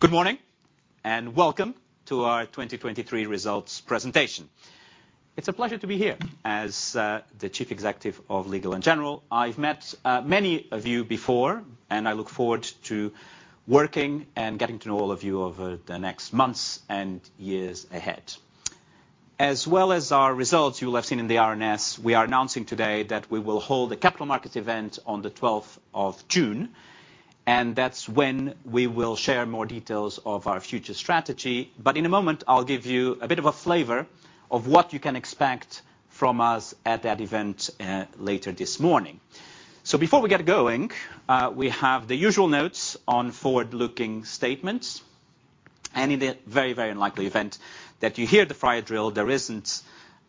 Good morning and welcome to our 2023 results presentation. It's a pleasure to be here as the Chief Executive of Legal & General. I've met many of you before, and I look forward to working and getting to know all of you over the next months and years ahead. As well as our results you will have seen in the RNS, we are announcing today that we will hold a Capital Markets Event on the 12th of June, and that's when we will share more details of our future strategy. But in a moment, I'll give you a bit of a flavor of what you can expect from us at that event later this morning. So before we get going, we have the usual notes on forward-looking statements. In a very, very unlikely event that you hear the fire drill, there isn't.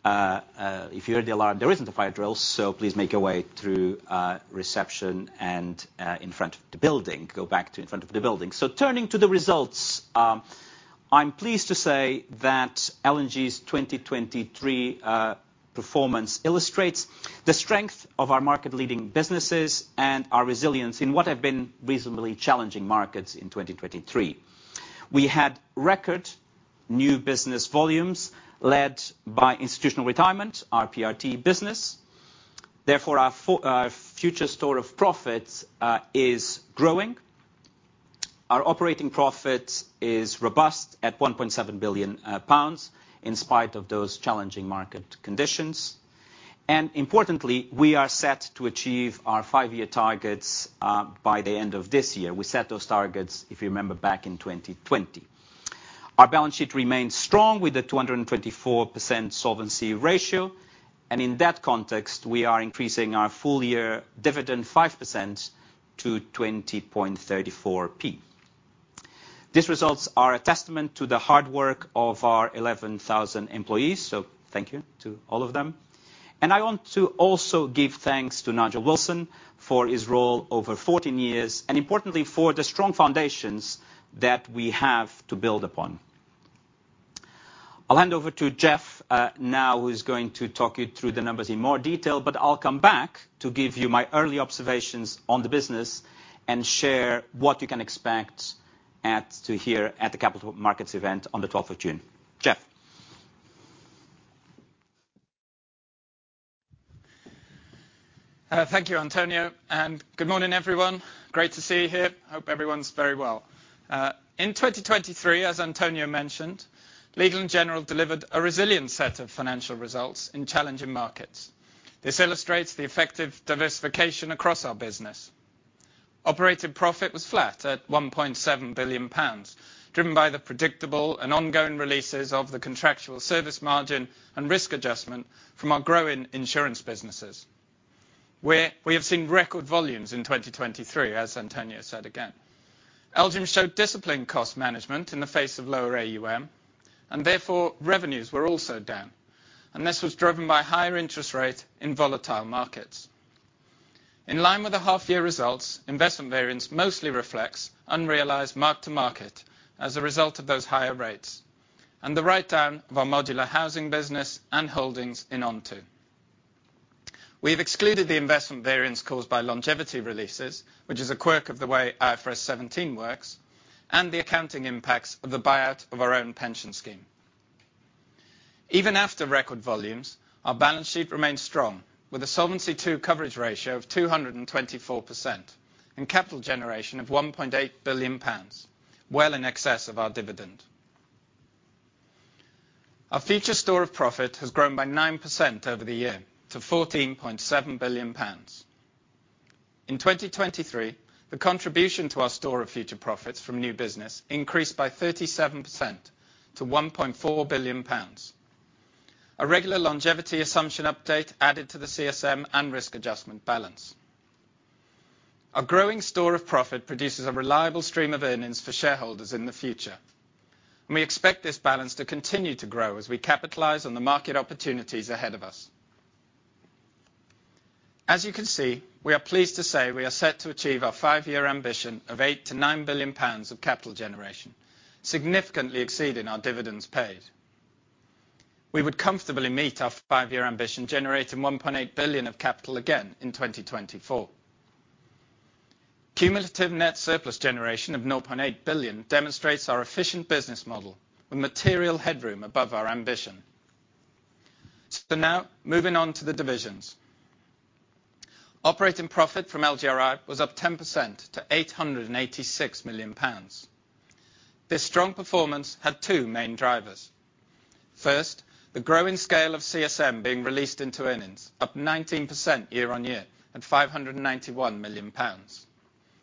If you hear the alarm, there isn't a fire drill, so please make your way through reception and in front of the building. Go back to in front of the building. Turning to the results, I'm pleased to say that L&G's 2023 performance illustrates the strength of our market-leading businesses and our resilience in what have been reasonably challenging markets in 2023. We had record new business volumes led by institutional retirement, our PRT business. Therefore, our future store of profits is growing. Our operating profit is robust at 1.7 billion pounds, in spite of those challenging market conditions. And importantly, we are set to achieve our five-year targets by the end of this year. We set those targets, if you remember, back in 2020. Our balance sheet remains strong with a 224% solvency ratio, and in that context, we are increasing our full-year dividend 5% to GBP 20.34p. These results are a testament to the hard work of our 11,000 employees, so thank you to all of them. I want to also give thanks to Nigel Wilson for his role over 14 years, and importantly, for the strong foundations that we have to build upon. I'll hand over to Jeff now, who's going to talk you through the numbers in more detail, but I'll come back to give you my early observations on the business and share what you can expect to hear at the capital markets event on the 12th of June. Jeff. Thank you, António. Good morning, everyone. Great to see you here. Hope everyone's very well. In 2023, as António mentioned, Legal & General delivered a resilient set of financial results in challenging markets. This illustrates the effective diversification across our business. Operating profit was flat at 1.7 billion pounds, driven by the predictable and ongoing releases of the contractual service margin and risk adjustment from our growing insurance businesses. We have seen record volumes in 2023, as António said again. LGIM showed disciplined cost management in the face of lower AUM, and therefore revenues were also down, and this was driven by higher interest rates in volatile markets. In line with the half-year results, investment variance mostly reflects unrealized mark-to-market as a result of those higher rates and the write-down of our Modular housing business and holdings in Onto. We've excluded the investment variance caused by longevity releases, which is a quirk of the way IFRS 17 works, and the accounting impacts of the buyout of our own pension scheme. Even after record volumes, our balance sheet remains strong, with a Solvency Coverage Ratio of 224% and capital generation of 1.8 billion pounds, well in excess of our dividend. Our future store of profit has grown by 9% over the year to 14.7 billion pounds. In 2023, the contribution to our store of future profits from new business increased by 37% to 1.4 billion pounds, a regular longevity assumption update added to the CSM and risk adjustment balance. Our growing store of profit produces a reliable stream of earnings for shareholders in the future, and we expect this balance to continue to grow as we capitalize on the market opportunities ahead of us. As you can see, we are pleased to say we are set to achieve our five-year ambition of 8 billion-9 billion pounds of capital generation, significantly exceeding our dividends paid. We would comfortably meet our five-year ambition generating 1.8 billion of capital again in 2024. Cumulative net surplus generation of 0.8 billion demonstrates our efficient business model with material headroom above our ambition. Now, moving on to the divisions. Operating profit from LGRI was up 10% to 886 million pounds. This strong performance had two main drivers. First, the growing scale of CSM being released into earnings, up 19% year-over-year at 591 million pounds.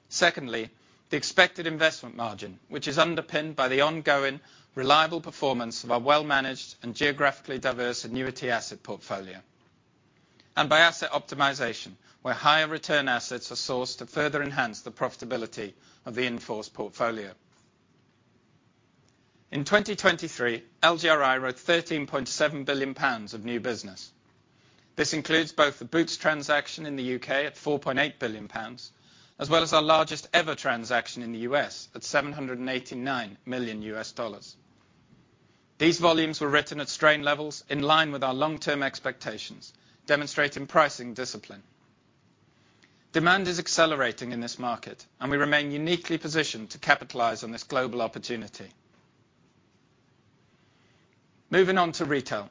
Secondly, the expected investment margin, which is underpinned by the ongoing reliable performance of our well-managed and geographically diverse annuity asset portfolio, and by asset optimization, where higher return assets are sourced to further enhance the profitability of the in-force portfolio. In 2023, LGRI wrote 13.7 billion pounds of new business. This includes both the Boots transaction in the U.K. at 4.8 billion pounds, as well as our largest-ever transaction in the U.S. at $789 million. These volumes were written at strain levels in line with our long-term expectations, demonstrating pricing discipline. Demand is accelerating in this market, and we remain uniquely positioned to capitalize on this global opportunity. Moving on to Retail.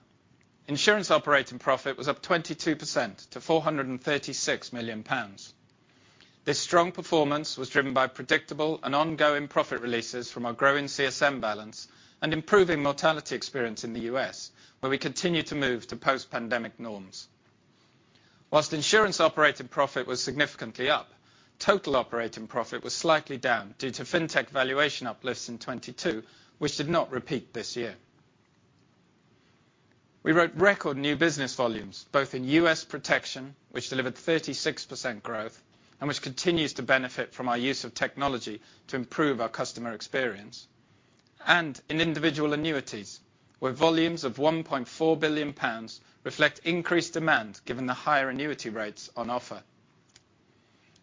Insurance operating profit was up 22% to 436 million pounds. This strong performance was driven by predictable and ongoing profit releases from our growing CSM balance and improving mortality experience in the U.S., where we continue to move to post-pandemic norms. While insurance operating profit was significantly up, total operating profit was slightly down due to fintech valuation uplifts in 2022, which did not repeat this year. We wrote record new business volumes, both in U.S. protection, which delivered 36% growth and which continues to benefit from our use of technology to improve our customer experience, and in individual annuities, where volumes of 1.4 billion pounds reflect increased demand given the higher annuity rates on offer.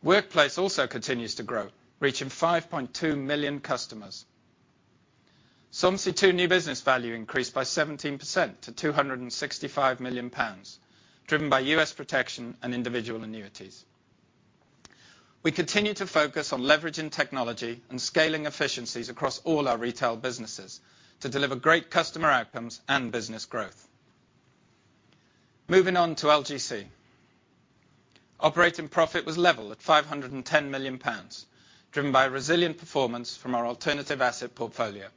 Workplace also continues to grow, reaching 5.2 million customers. Solvency II new business value increased by 17% to 265 million pounds, driven by U.S. protection and individual annuities. We continue to focus on leveraging technology and scaling efficiencies across all our retail businesses to deliver great customer outcomes and business growth. Moving on to LGC. Operating profit was level at 510 million pounds, driven by resilient performance from our alternative asset portfolio.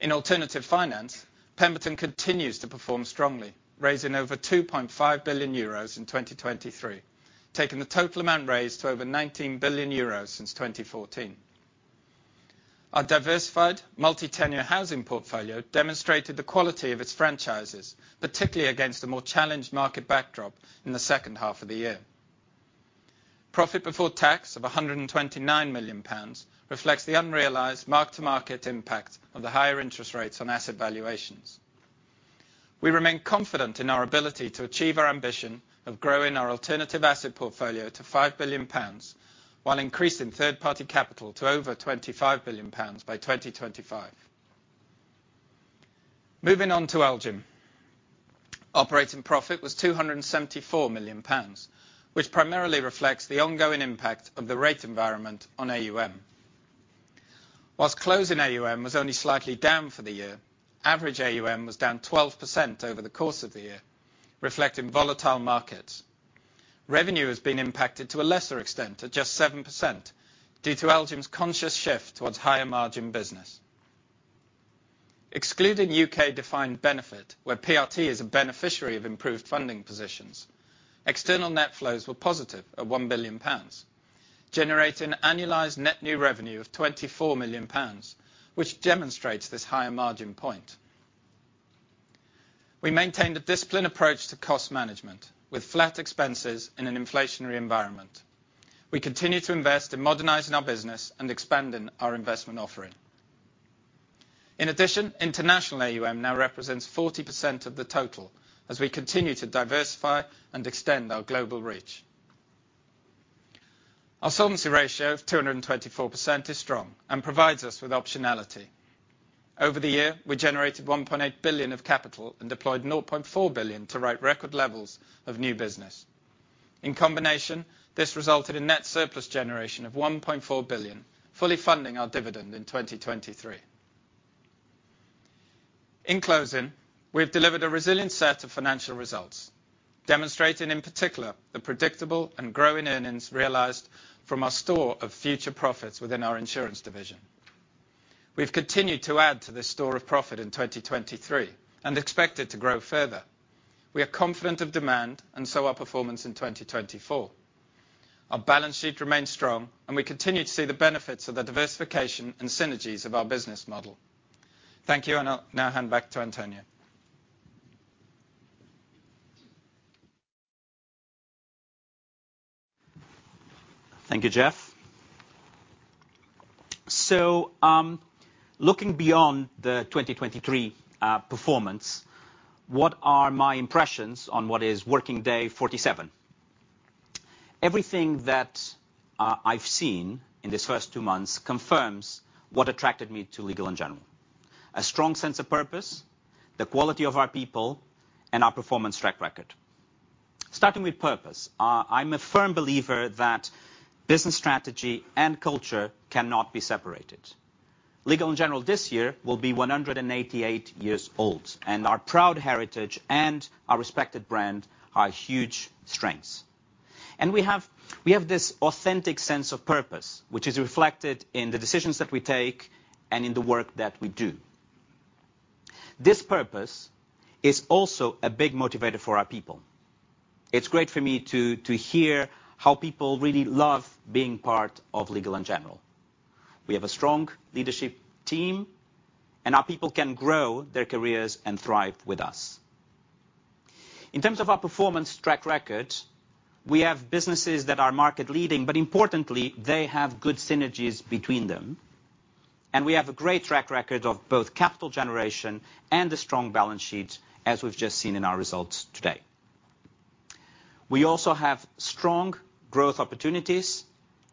In alternative finance, Pemberton continues to perform strongly, raising over 2.5 billion euros in 2023, taking the total amount raised to over 19 billion euros since 2014. Our diversified multi-tenure housing portfolio demonstrated the quality of its franchises, particularly against a more challenged market backdrop in the second half of the year. Profit before tax of 129 million pounds reflects the unrealized mark-to-market impact of the higher interest rates on asset valuations. We remain confident in our ability to achieve our ambition of growing our alternative asset portfolio to 5 billion pounds while increasing third-party capital to over 25 billion pounds by 2025. Moving on to LGIM. Operating profit was 274 million pounds, which primarily reflects the ongoing impact of the rate environment on AUM. While closing AUM was only slightly down for the year, average AUM was down 12% over the course of the year, reflecting volatile markets. Revenue has been impacted to a lesser extent at just 7% due to LGIM's conscious shift towards higher-margin business. Excluding UK defined benefit, where PRT is a beneficiary of improved funding positions, external net flows were positive at 1 billion pounds, generating annualized net new revenue of 24 million pounds, which demonstrates this higher margin point. We maintained a disciplined approach to cost management with flat expenses in an inflationary environment. We continue to invest in modernizing our business and expanding our investment offering. In addition, international AUM now represents 40% of the total as we continue to diversify and extend our global reach. Our solvency ratio of 224% is strong and provides us with optionality. Over the year, we generated 1.8 billion of capital and deployed 0.4 billion to write record levels of new business. In combination, this resulted in net surplus generation of 1.4 billion, fully funding our dividend in 2023. In closing, we've delivered a resilient set of financial results, demonstrating in particular the predictable and growing earnings realized from our store of future profits within our insurance division. We've continued to add to this store of profit in 2023 and expect it to grow further. We are confident of demand and so are performance in 2024. Our balance sheet remains strong, and we continue to see the benefits of the diversification and synergies of our business model. Thank you, and I'll now hand back to António. Thank you, Jeff. So looking beyond the 2023 performance, what are my impressions on what is Working Day 47? Everything that I've seen in these first two months confirms what attracted me to Legal & General: a strong sense of purpose, the quality of our people, and our performance track record. Starting with purpose, I'm a firm believer that business strategy and culture cannot be separated. Legal & General this year will be 188 years old, and our proud heritage and our respected brand are huge strengths. And we have this authentic sense of purpose, which is reflected in the decisions that we take and in the work that we do. This purpose is also a big motivator for our people. It's great for me to hear how people really love being part of Legal & General. We have a strong leadership team, and our people can grow their careers and thrive with us. In terms of our performance track record, we have businesses that are market-leading, but importantly, they have good synergies between them, and we have a great track record of both capital generation and a strong balance sheet, as we've just seen in our results today. We also have strong growth opportunities,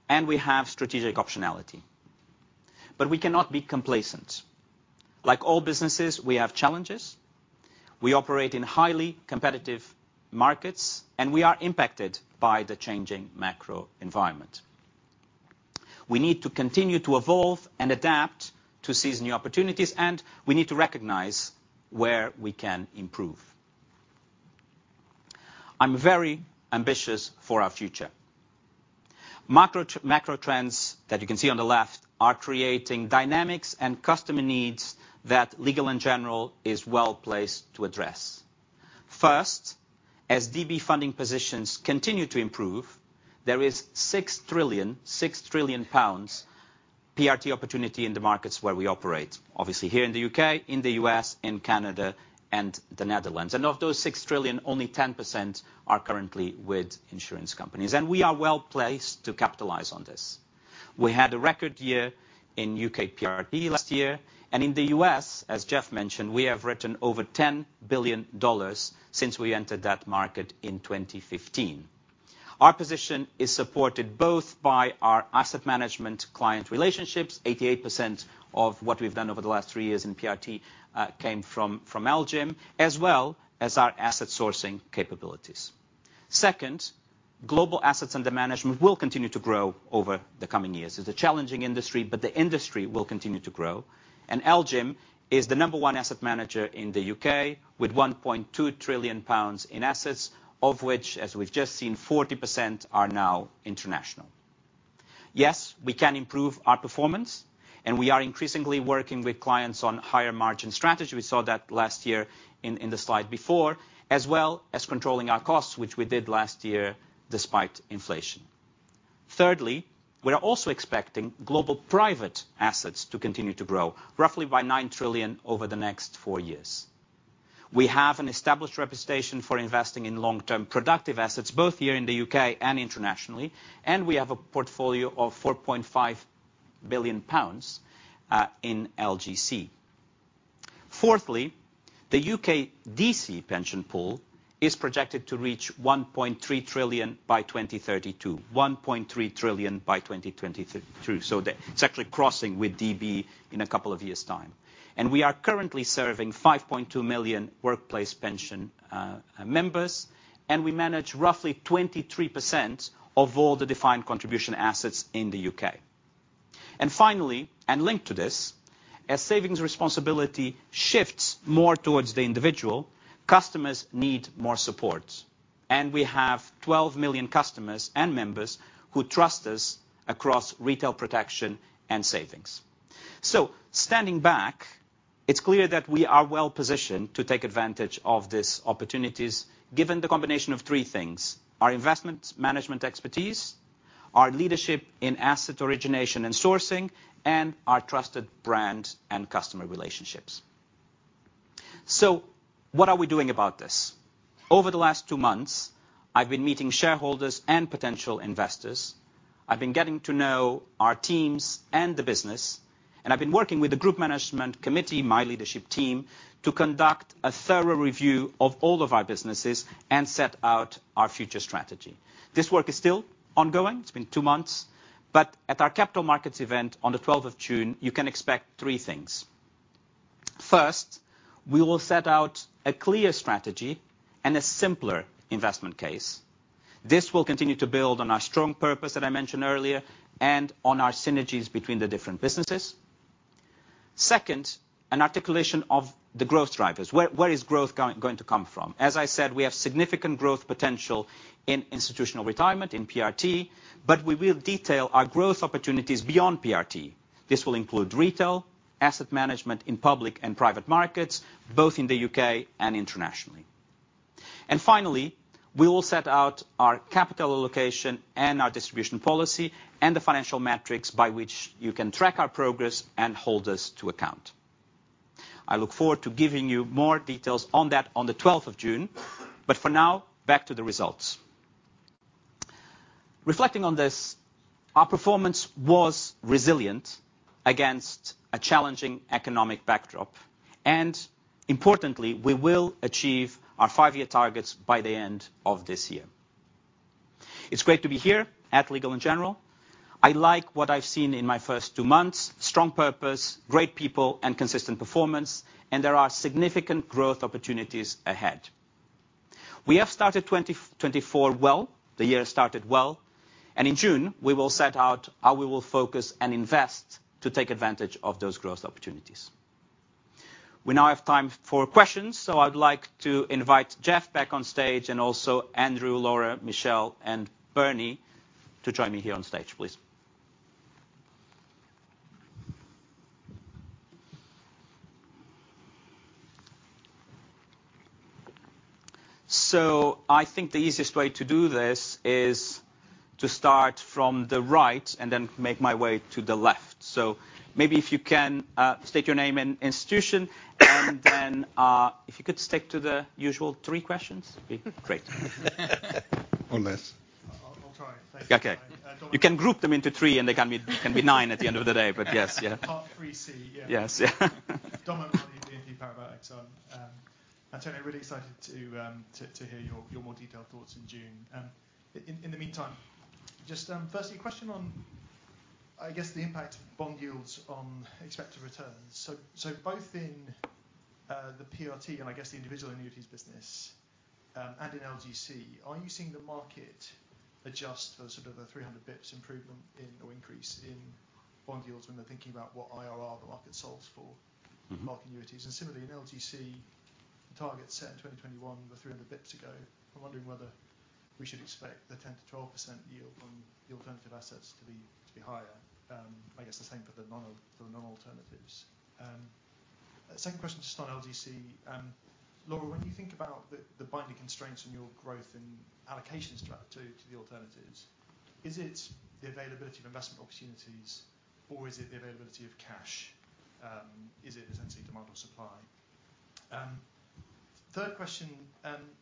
and we have strategic optionality. But we cannot be complacent. Like all businesses, we have challenges. We operate in highly competitive markets, and we are impacted by the changing macro environment. We need to continue to evolve and adapt to seize new opportunities, and we need to recognize where we can improve. I'm very ambitious for our future. Macro trends that you can see on the left are creating dynamics and customer needs that Legal & General is well placed to address. First, as DB funding positions continue to improve, there is 6 trillion PRT opportunity in the markets where we operate, obviously here in the U.K., in the U.S., in Canada, and the Netherlands. Of those 6 trillion, only 10% are currently with insurance companies, and we are well placed to capitalize on this. We had a record year in U.K. PRT last year, and in the U.S., as Jeff mentioned, we have written over $10 billion since we entered that market in 2015. Our position is supported both by our asset management client relationships, 88% of what we've done over the last three years in PRT came from LGIM, as well as our asset sourcing capabilities. Second, global assets under management will continue to grow over the coming years. It's a challenging industry, but the industry will continue to grow. LGIM is the number one asset manager in the U.K. with 1.2 trillion pounds in assets, of which, as we've just seen, 40% are now international. Yes, we can improve our performance, and we are increasingly working with clients on higher-margin strategy, we saw that last year in the slide before, as well as controlling our costs, which we did last year despite inflation. Thirdly, we're also expecting global private assets to continue to grow, roughly by 9 trillion over the next four years. We have an established reputation for investing in long-term productive assets, both here in the U.K. and internationally, and we have a portfolio of 4.5 billion pounds in LGC. Fourthly, the U.K. DC pension pool is projected to reach 1.3 trillion by 2032, 1.3 trillion by 2022. So it's actually crossing with DB in a couple of years' time. We are currently serving 5.2 million workplace pension members, and we manage roughly 23% of all the defined contribution assets in the U.K. Finally, and linked to this, as savings responsibility shifts more towards the individual, customers need more support. We have 12 million customers and members who trust us across retail protection and savings. Standing back, it's clear that we are well positioned to take advantage of these opportunities given the combination of three things: our investment management expertise, our leadership in asset origination and sourcing, and our trusted brand and customer relationships. What are we doing about this? Over the last two months, I've been meeting shareholders and potential investors. I've been getting to know our teams and the business, and I've been working with the Group Management Committee, my leadership team, to conduct a thorough review of all of our businesses and set out our future strategy. This work is still ongoing. It's been two months. But at our Capital Markets Event on the 12th of June, you can expect three things. First, we will set out a clear strategy and a simpler investment case. This will continue to build on our strong purpose that I mentioned earlier and on our synergies between the different businesses. Second, an articulation of the growth drivers. Where is growth going to come from? As I said, we have significant growth potential in institutional retirement, in PRT, but we will detail our growth opportunities beyond PRT. This will include retail, asset management in public and private markets, both in the U.K. and internationally. Finally, we will set out our capital allocation and our distribution policy and the financial metrics by which you can track our progress and hold us to account. I look forward to giving you more details on that on the 12th of June, but for now, back to the results. Reflecting on this, our performance was resilient against a challenging economic backdrop, and importantly, we will achieve our five-year targets by the end of this year. It's great to be here at Legal & General. I like what I've seen in my first two months: strong purpose, great people, and consistent performance, and there are significant growth opportunities ahead. We have started 2024 well. The year started well, and in June, we will set out how we will focus and invest to take advantage of those growth opportunities. We now have time for questions, so I would like to invite Jeff back on stage and also Andrew, Laura, Michelle, and Bernie to join me here on stage, please. So I think the easiest way to do this is to start from the right and then make my way to the left. So maybe if you can state your name and institution, and then if you could stick to the usual three questions, it'd be great. Or less. I'll try. Thank you. Okay. You can group them into three, and there can be nine at the end of the day, but yes, yeah. Part three C, yeah. Yes, yeah. O'Mahony, BNP Paribas Exane. António, really excited to hear your more detailed thoughts in June. In the meantime, just firstly, a question on, I guess, the impact of bond yields on expected returns. So both in the PRT and, I guess, the individual annuities business and in LGC, are you seeing the market adjust for sort of the 300 basis points improvement or increase in bond yields when they're thinking about what IRR the market sells for market annuities? And similarly, in LGC, the target set in 2021 was 300 basis points ago. I'm wondering whether we should expect the 10%-12% yield on the alternative assets to be higher, I guess the same for the non-alternatives. Second question just on LGC. Laura, when you think about the binding constraints on your growth and allocations to the alternatives, is it the availability of investment opportunities, or is it the availability of cash? Is it essentially demand or supply? Third question,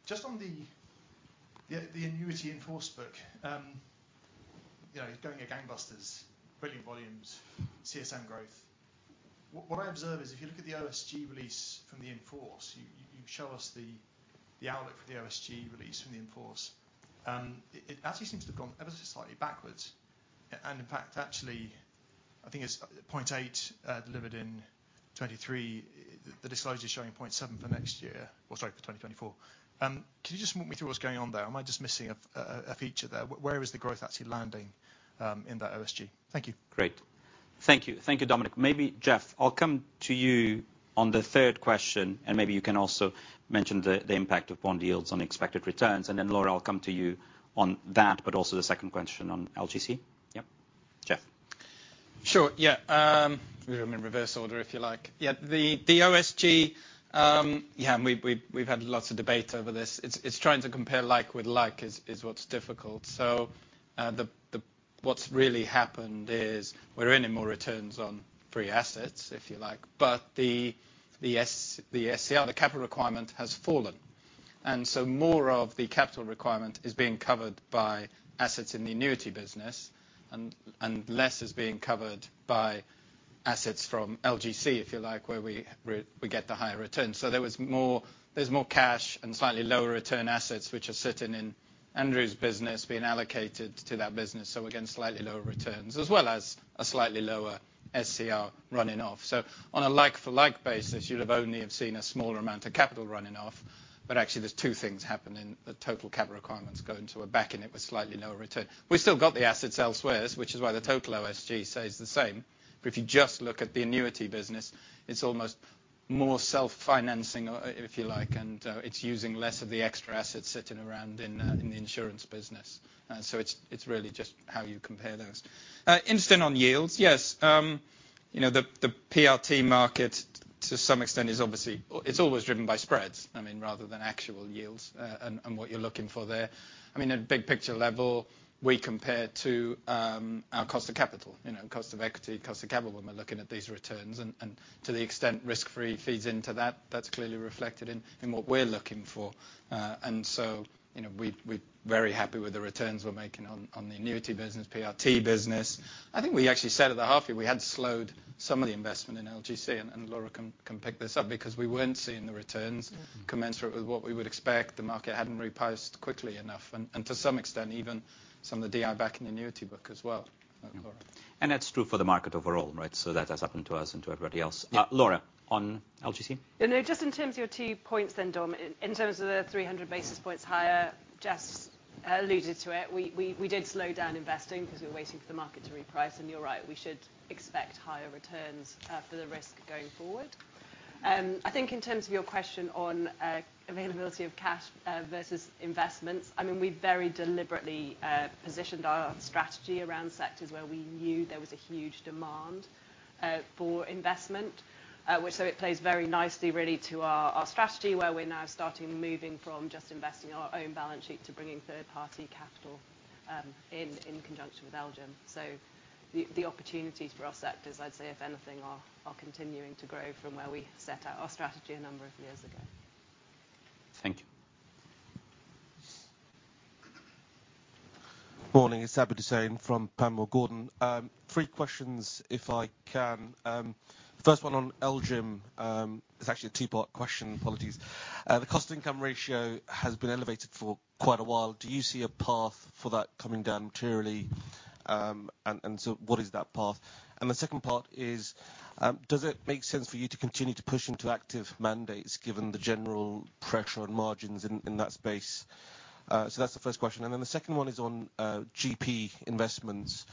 just on the annuity in-force, going at gangbusters, brilliant volumes, CSM growth. What I observe is if you look at the OSG release from the in-force, you show us the outlook for the OSG release from the in-force, it actually seems to have gone ever so slightly backwards. In fact, actually, I think it's 0.8 delivered in 2023. The disclosure is showing 0.7 for next year or sorry, for 2024. Can you just walk me through what's going on there? Am I just missing a feature there? Where is the growth actually landing in that OSG? Thank you. Great. Thank you, Dominic. Maybe, Jeff, I'll come to you on the third question, and maybe you can also mention the impact of bond yields on expected returns. And then, Laura, I'll come to you on that, but also the second question on LGC. Yep, Jeff. Sure. Yeah. We'll do them in reverse order if you like. Yeah, the OSG, yeah, and we've had lots of debate over this. It's trying to compare like with like is what's difficult. So what's really happened is we're seeing more returns on free assets, if you like, but the SCR, the capital requirement, has fallen. And so more of the capital requirement is being covered by assets in the annuity business and less is being covered by assets from LGC, if you like, where we get the higher returns. So there's more cash and slightly lower return assets, which are sitting in Andrew's business, being allocated to that business. So again, slightly lower returns, as well as a slightly lower SCR running off. So on a like-for-like basis, you'd only have seen a smaller amount of capital running off, but actually, there's two things happening: the total capital requirements going to a backing it with slightly lower return. We've still got the assets elsewhere, which is why the total OSG stays the same. But if you just look at the annuity business, it's almost more self-financing, if you like, and it's using less of the extra assets sitting around in the insurance business. So it's really just how you compare those. Interesting on yields, yes. The PRT market, to some extent, is obviously it's always driven by spreads, I mean, rather than actual yields and what you're looking for there. I mean, at big picture level, we compare to our cost of capital, cost of equity, cost of capital when we're looking at these returns. To the extent risk-free feeds into that, that's clearly reflected in what we're looking for. And so we're very happy with the returns we're making on the annuity business, PRT business. I think we actually said at the halfway we had slowed some of the investment in LGC, and Laura can pick this up, because we weren't seeing the returns commensurate with what we would expect. The market hadn't reprice quickly enough, and to some extent, even some of the LDI back in the annuity book as well, Laura. That's true for the market overall, right? That has happened to us and to everybody else. Laura, on LGC? No, just in terms of your two points then, Dominic, in terms of the 300 basis points higher, Jeff's alluded to it. We did slow down investing because we were waiting for the market to reprice, and you're right, we should expect higher returns for the risk going forward. I think in terms of your question on availability of cash versus investments, I mean, we've very deliberately positioned our strategy around sectors where we knew there was a huge demand for investment. So it plays very nicely, really, to our strategy where we're now starting moving from just investing our own balance sheet to bringing third-party capital in conjunction with LGIM. So the opportunities for our sectors, I'd say, if anything, are continuing to grow from where we set out our strategy a number of years ago. Thank you. Morning. It's Abid Hussain from Panmure Gordon. Three questions, if I can. First one on LGIM. It's actually a two-part question, apologies. The cost-income ratio has been elevated for quite a while. Do you see a path for that coming down materially, and so what is that path? And the second part is, does it make sense for you to continue to push into active mandates given the general pressure and margins in that space? So that's the first question. And then the second one is on GP investments.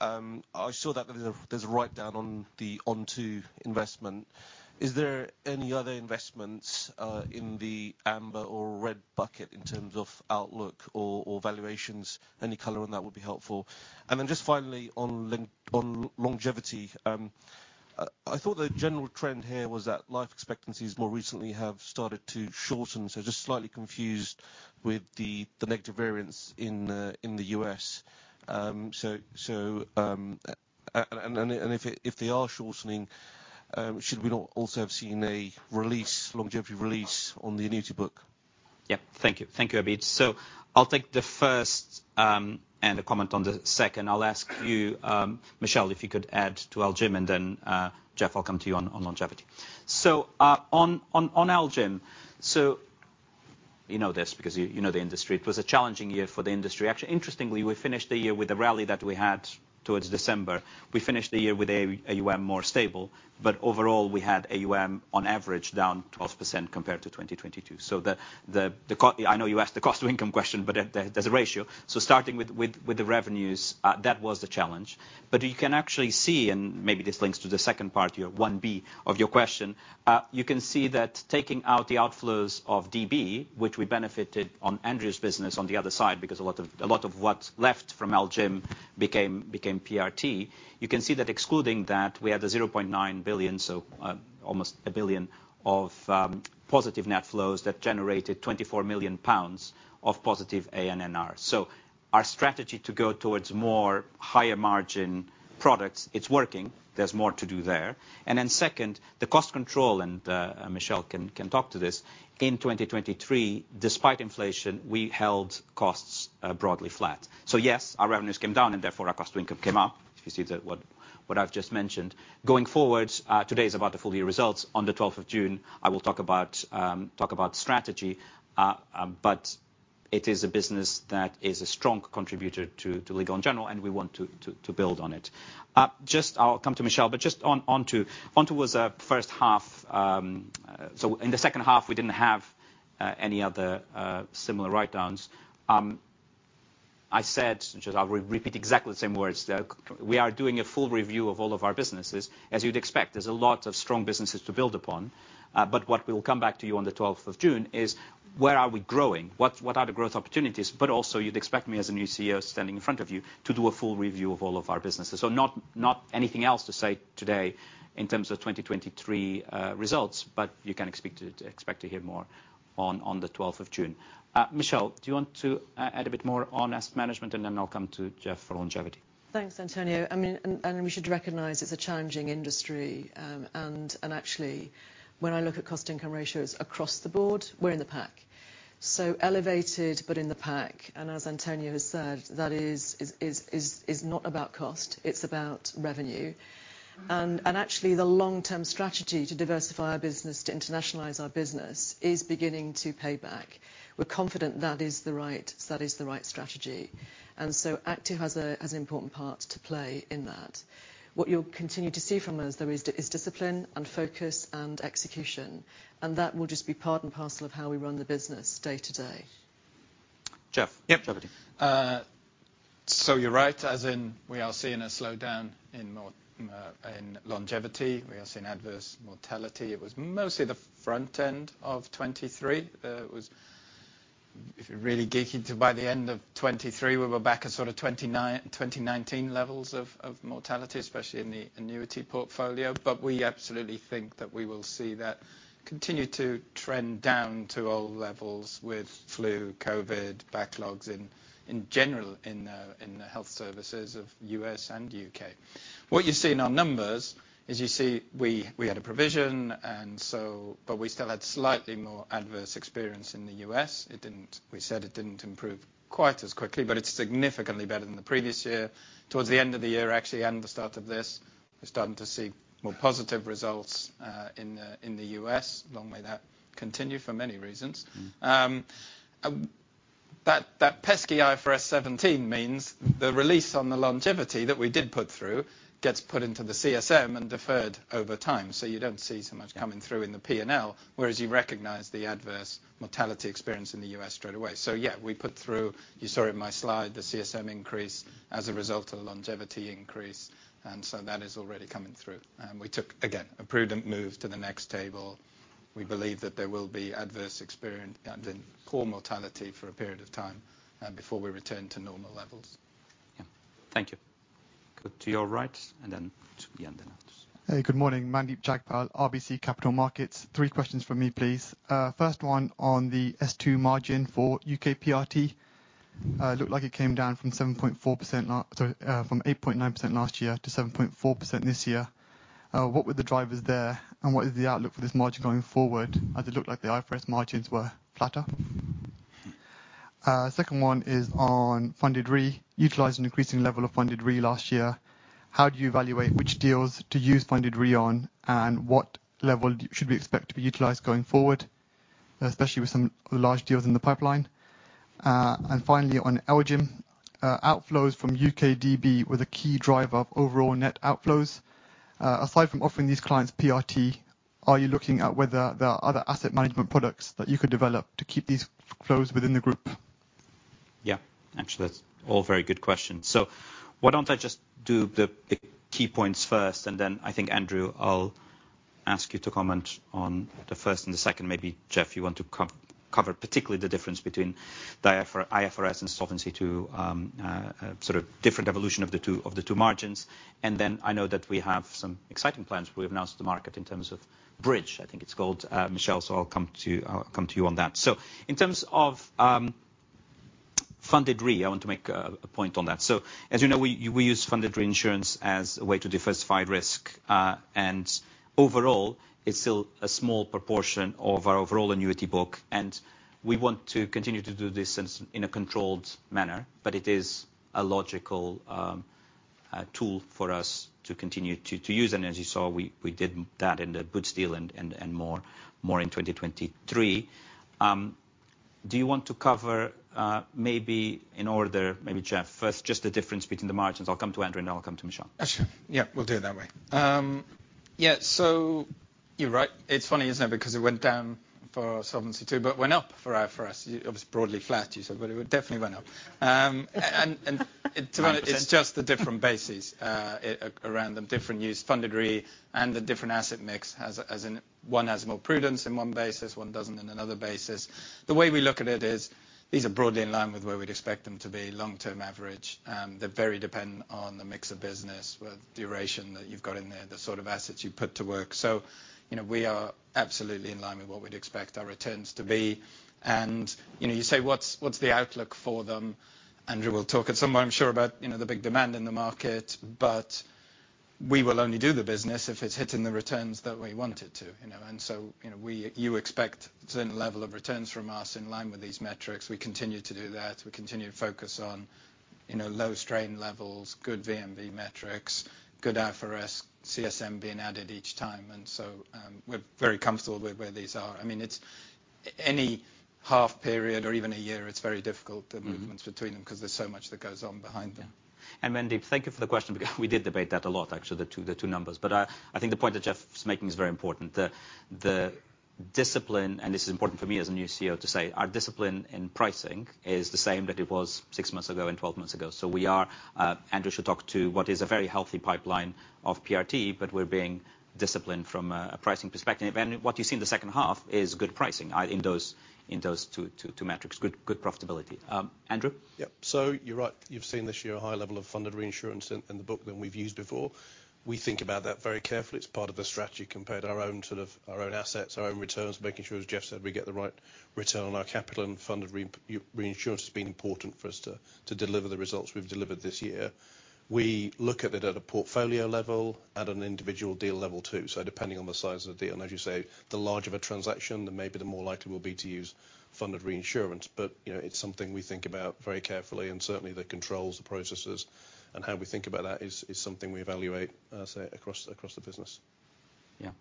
I saw that there's a write-down on the Onto investment. Is there any other investments in the amber or red bucket in terms of outlook or valuations? Any color on that would be helpful. And then just finally, on longevity, I thought the general trend here was that life expectancies more recently have started to shorten. Just slightly confused with the negative variance in the U.S. If they are shortening, should we not also have seen a longevity release on the annuity book? Yep. Thank you. Thank you, Abid. So I'll take the first and a comment on the second. I'll ask you, Michelle, if you could add to LGIM, and then Jeff, I'll come to you on longevity. So on LGIM, so you know this because you know the industry. It was a challenging year for the industry. Actually, interestingly, we finished the year with a rally that we had towards December. We finished the year with AUM more stable, but overall, we had AUM on average down 12% compared to 2022. So I know you asked the cost-to-income question, but there's a ratio. So starting with the revenues, that was the challenge. But you can actually see and maybe this links to the second part, your 1B of your question. You can see that taking out the outflows of DB, which we benefited on Andrew's business on the other side because a lot of what left from LGIM became PRT, you can see that excluding that, we had 0.9 billion, so almost a billion, of positive net flows that generated 24 million pounds of positive ANNR. So our strategy to go towards more higher-margin products, it's working. There's more to do there. And then second, the cost control, and Michelle can talk to this, in 2023, despite inflation, we held costs broadly flat. So yes, our revenues came down, and therefore, our cost-to-income came up, if you see what I've just mentioned. Going forward, today is about the full-year results. On the 12th of June, I will talk about strategy, but it is a business that is a strong contributor to Legal & General, and we want to build on it. I'll come to Michelle, but just onto. Onto was a first half. So in the second half, we didn't have any other similar write-downs. I said, which is, I'll repeat exactly the same words, we are doing a full review of all of our businesses. As you'd expect, there's a lot of strong businesses to build upon. But what we'll come back to you on the 12th of June is where are we growing? What are the growth opportunities? But also, you'd expect me, as a new CEO standing in front of you, to do a full review of all of our businesses. Not anything else to say today in terms of 2023 results, but you can expect to hear more on the 12th of June. Michelle, do you want to add a bit more on asset management, and then I'll come to Jeff for longevity? Thanks, Antonio. I mean, and we should recognize it's a challenging industry. And actually, when I look at cost-income ratios across the board, we're in the pack. So elevated, but in the pack. And as Antonio has said, that is not about cost. It's about revenue. And actually, the long-term strategy to diversify our business, to internationalize our business, is beginning to pay back. We're confident that is the right strategy. And so active has an important part to play in that. What you'll continue to see from us, though, is discipline and focus and execution. And that will just be part and parcel of how we run the business day to day. Jeff? Yep. Longevity? So you're right, as in we are seeing a slowdown in longevity. We are seeing adverse mortality. It was mostly the front end of 2023. If you're really geeky, by the end of 2023, we were back at sort of 2019 levels of mortality, especially in the annuity portfolio. But we absolutely think that we will see that continue to trend down to old levels with flu, COVID, backlogs in general in the health services of U.S. and U.K. What you see in our numbers is you see we had a provision, but we still had slightly more adverse experience in the U.S. We said it didn't improve quite as quickly, but it's significantly better than the previous year. Towards the end of the year, actually, and the start of this, we're starting to see more positive results in the U.S. Long may that continue for many reasons. That pesky IFRS 17 means the release on the longevity that we did put through gets put into the CSM and deferred over time. So you don't see so much coming through in the P&L, whereas you recognise the adverse mortality experience in the U.S. straightaway. So yeah, we put through you saw it in my slide, the CSM increase as a result of the longevity increase. And so that is already coming through. And we took, again, a prudent move to the next table. We believe that there will be adverse experience and poor mortality for a period of time before we return to normal levels. Yeah. Thank you. Go to your right, and then to the end then. Hey, good morning. Mandeep Jagpal, RBC Capital Markets. Three questions from me, please. First one on the S2 margin for U.K. PRT. It looked like it came down from 8.9% last year to 7.4% this year. What were the drivers there, and what is the outlook for this margin going forward as it looked like the IFRS margins were flatter? Second one is on Funded Reinsurance, an increasing level of Funded Re last year. How do you evaluate which deals to use Funded Re on, and what level should we expect to be utilised going forward, especially with some large deals in the pipeline? And finally, on LGIM, outflows from UK DB were the key driver of overall net outflows. Aside from offering these clients PRT, are you looking at whether there are other asset management products that you could develop to keep these flows within the group? Yeah. Actually, that's all very good questions. So why don't I just do the key points first, and then I think, Andrew, I'll ask you to comment on the first and the second. Maybe, Jeff, you want to cover particularly the difference between the IFRS and solvency to sort of different evolution of the two margins. And then I know that we have some exciting plans. We've announced the market in terms of Bridge. I think it's called, Michelle. So I'll come to you on that. So in terms of Funded Re, I want to make a point on that. So as you know, we use funded reinsurance as a way to diversify risk. And overall, it's still a small proportion of our overall annuity book. And we want to continue to do this in a controlled manner, but it is a logical tool for us to continue to use. As you saw, we did that in the Boots deal and more in 2023. Do you want to cover maybe in order, maybe, Jeff, first, just the difference between the margins? I'll come to Andrew, and then I'll come to Michelle. That's fine. Yeah, we'll do it that way. Yeah, so you're right. It's funny, isn't it, because it went down for solvency too, but went up for IFRS. Obviously, broadly flat, you said, but it definitely went up. And to be honest, it's just the different bases around them, different use of Funded Re and the different asset mix. One has more prudence in one basis, one doesn't in another basis. The way we look at it is these are broadly in line with where we'd expect them to be long-term average. They vary depending on the mix of business, the duration that you've got in there, the sort of assets you put to work. So we are absolutely in line with what we'd expect our returns to be. And you say what's the outlook for them, Andrew will talk at some point, I'm sure, about the big demand in the market. But we will only do the business if it's hitting the returns that we want it to. And so you expect a certain level of returns from us in line with these metrics. We continue to do that. We continue to focus on low strain levels, good VNB metrics, good IFRS CSM being added each time. And so we're very comfortable with where these are. I mean, any half period or even a year, it's very difficult, the movements between them, because there's so much that goes on behind them. And Mandeep, thank you for the question, because we did debate that a lot, actually, the two numbers. But I think the point that Jeff's making is very important. And this is important for me as a new CEO to say, our discipline in pricing is the same that it was six months ago and 12 months ago. So Andrew should talk to what is a very healthy pipeline of PRT, but we're being disciplined from a pricing perspective. And what you see in the second half is good pricing in those two metrics, good profitability. Andrew? Yeah. So you're right. You've seen this year, a high level of funded reinsurance in the book than we've used before. We think about that very carefully. It's part of the strategy compared to our own sort of assets, our own returns, making sure, as Jeff said, we get the right return on our capital. And funded reinsurance has been important for us to deliver the results we've delivered this year. We look at it at a portfolio level, at an individual deal level too. So depending on the size of the deal, and as you say, the larger the transaction, then maybe the more likely we'll be to use funded reinsurance. But it's something we think about very carefully. And certainly, the controls, the processes, and how we think about that is something we evaluate, I'd say, across the business. Yeah.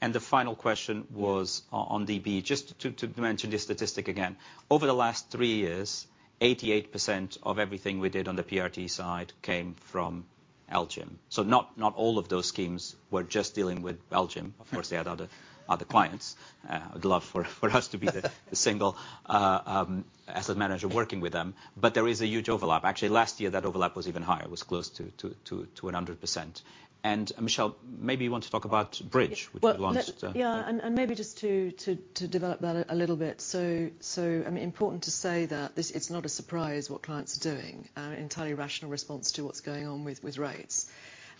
And the final question was on DB. Just to mention this statistic again, over the last three years, 88% of everything we did on the PRT side came from LGIM. So not all of those schemes were just dealing with LGIM. Of course, they had other clients. I'd love for us to be the single asset manager working with them. But there is a huge overlap. Actually, last year, that overlap was even higher. It was close to 100%. And Michelle, maybe you want to talk about Bridge, which we launched. Yeah, and maybe just to develop that a little bit. So I mean, important to say that it's not a surprise what clients are doing, an entirely rational response to what's going on with rates.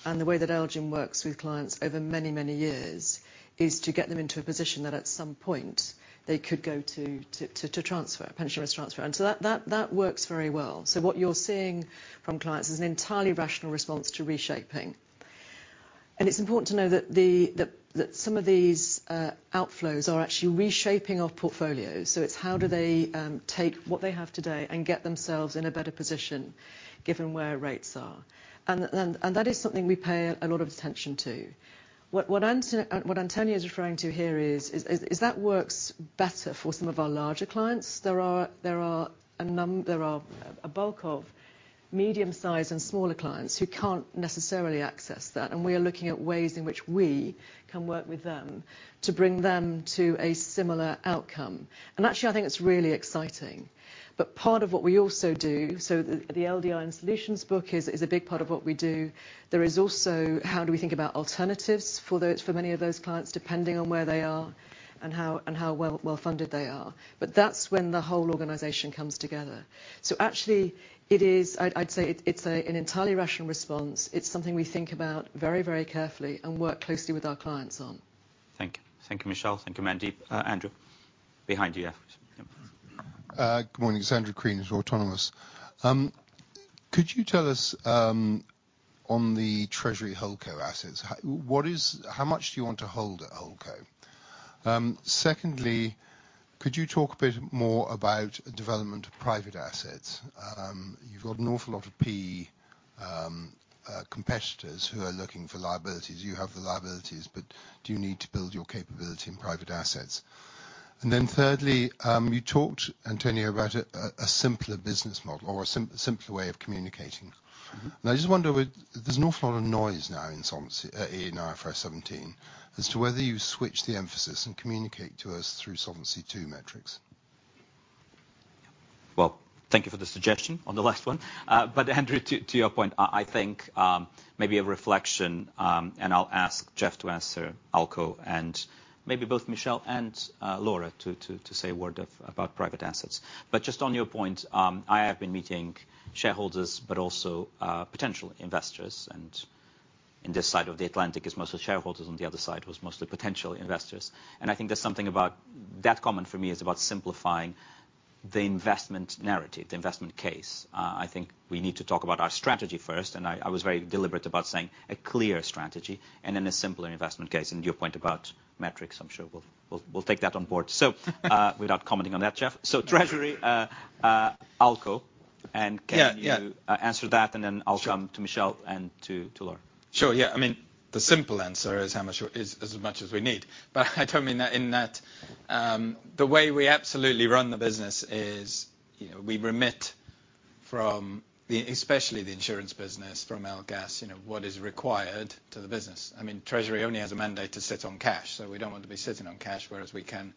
And the way that LGIM works with clients over many, many years is to get them into a position that at some point, they could go to transfer, pension risk transfer. And so that works very well. So what you're seeing from clients is an entirely rational response to reshaping. And it's important to know that some of these outflows are actually reshaping our portfolios. So it's how do they take what they have today and get themselves in a better position given where rates are. And that is something we pay a lot of attention to. What Antonio is referring to here is that works better for some of our larger clients. There are a bulk of medium-sized and smaller clients who can't necessarily access that. We are looking at ways in which we can work with them to bring them to a similar outcome. Actually, I think it's really exciting. But part of what we also do so the LDI and Solutions book is a big part of what we do. There is also how do we think about alternatives for many of those clients, depending on where they are and how well-funded they are. But that's when the whole organization comes together. Actually, I'd say it's an entirely rational response. It's something we think about very, very carefully and work closely with our clients on. Thank you. Thank you, Michelle. Thank you, Mandeep. Andrew, behind you, yeah. Good morning. It's Andrew Crean for Autonomous. Could you tell us on the Treasury HoldCo assets, how much do you want to hold at HoldCo? Secondly, could you talk a bit more about development of private assets? You've got an awful lot of P competitors who are looking for liabilities. You have the liabilities, but do you need to build your capability in private assets? And then thirdly, you talked, Antonio, about a simpler business model or a simpler way of communicating. And I just wonder, there's an awful lot of noise now in IFRS 17 as to whether you switch the emphasis and communicate to us through solvency to metrics. Well, thank you for the suggestion on the last one. But Andrew, to your point, I think maybe a reflection, and I'll ask Jeff to answer HoldCo and maybe both Michelle and Laura to say a word about private assets. But just on your point, I have been meeting shareholders, but also potential investors. And in this side of the Atlantic, it was mostly shareholders. On the other side, it was mostly potential investors. And I think there's something about that common for me is about simplifying the investment narrative, the investment case. I think we need to talk about our strategy first. And I was very deliberate about saying a clear strategy and then a simpler investment case. And your point about metrics, I'm sure we'll take that on board. So without commenting on that, Jeff. So Treasury, HoldCo, and can you answer that? I'll come to Michelle and to Laura. Sure. Yeah. I mean, the simple answer is as much as we need. But I don't mean that in that the way we absolutely run the business is we remit from, especially the insurance business, from L&G's what is required to the business. I mean, Treasury only has a mandate to sit on cash. So we don't want to be sitting on cash, whereas we can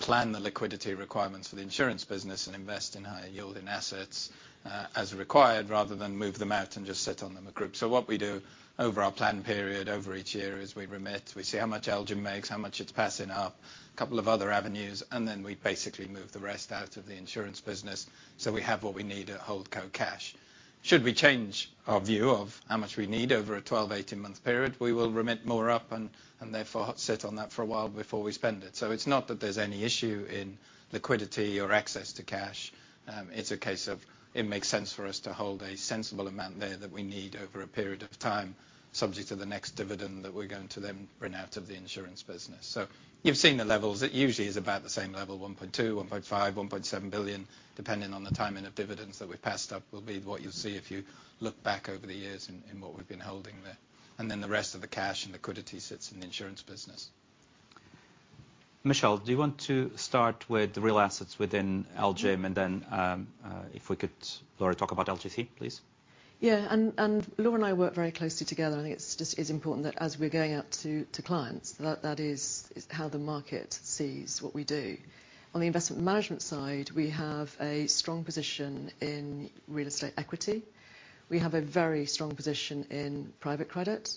plan the liquidity requirements for the insurance business and invest in higher-yielding assets as required rather than move them out and just sit on them a group. So what we do over our plan period, over each year, is we remit. We see how much LGIM makes, how much it's passing up, a couple of other avenues. And then we basically move the rest out of the insurance business so we have what we need at HoldCo cash. Should we change our view of how much we need over a 12, 18-month period, we will remit more up and therefore sit on that for a while before we spend it. So it's not that there's any issue in liquidity or access to cash. It's a case of it makes sense for us to hold a sensible amount there that we need over a period of time, subject to the next dividend that we're going to then bring out of the insurance business. So you've seen the levels. It usually is about the same level, 1.2 billion, 1.5 billion, 1.7 billion, depending on the timing of dividends that we've passed up will be what you'll see if you look back over the years in what we've been holding there. And then the rest of the cash and liquidity sits in the insurance business. Michelle, do you want to start with real assets within LGIM? And then if we could, Laura, talk about LGC, please. Yeah. And Laura and I work very closely together. I think it just is important that as we're going out to clients, that is how the market sees what we do. On the investment management side, we have a strong position in real estate equity. We have a very strong position in private credit.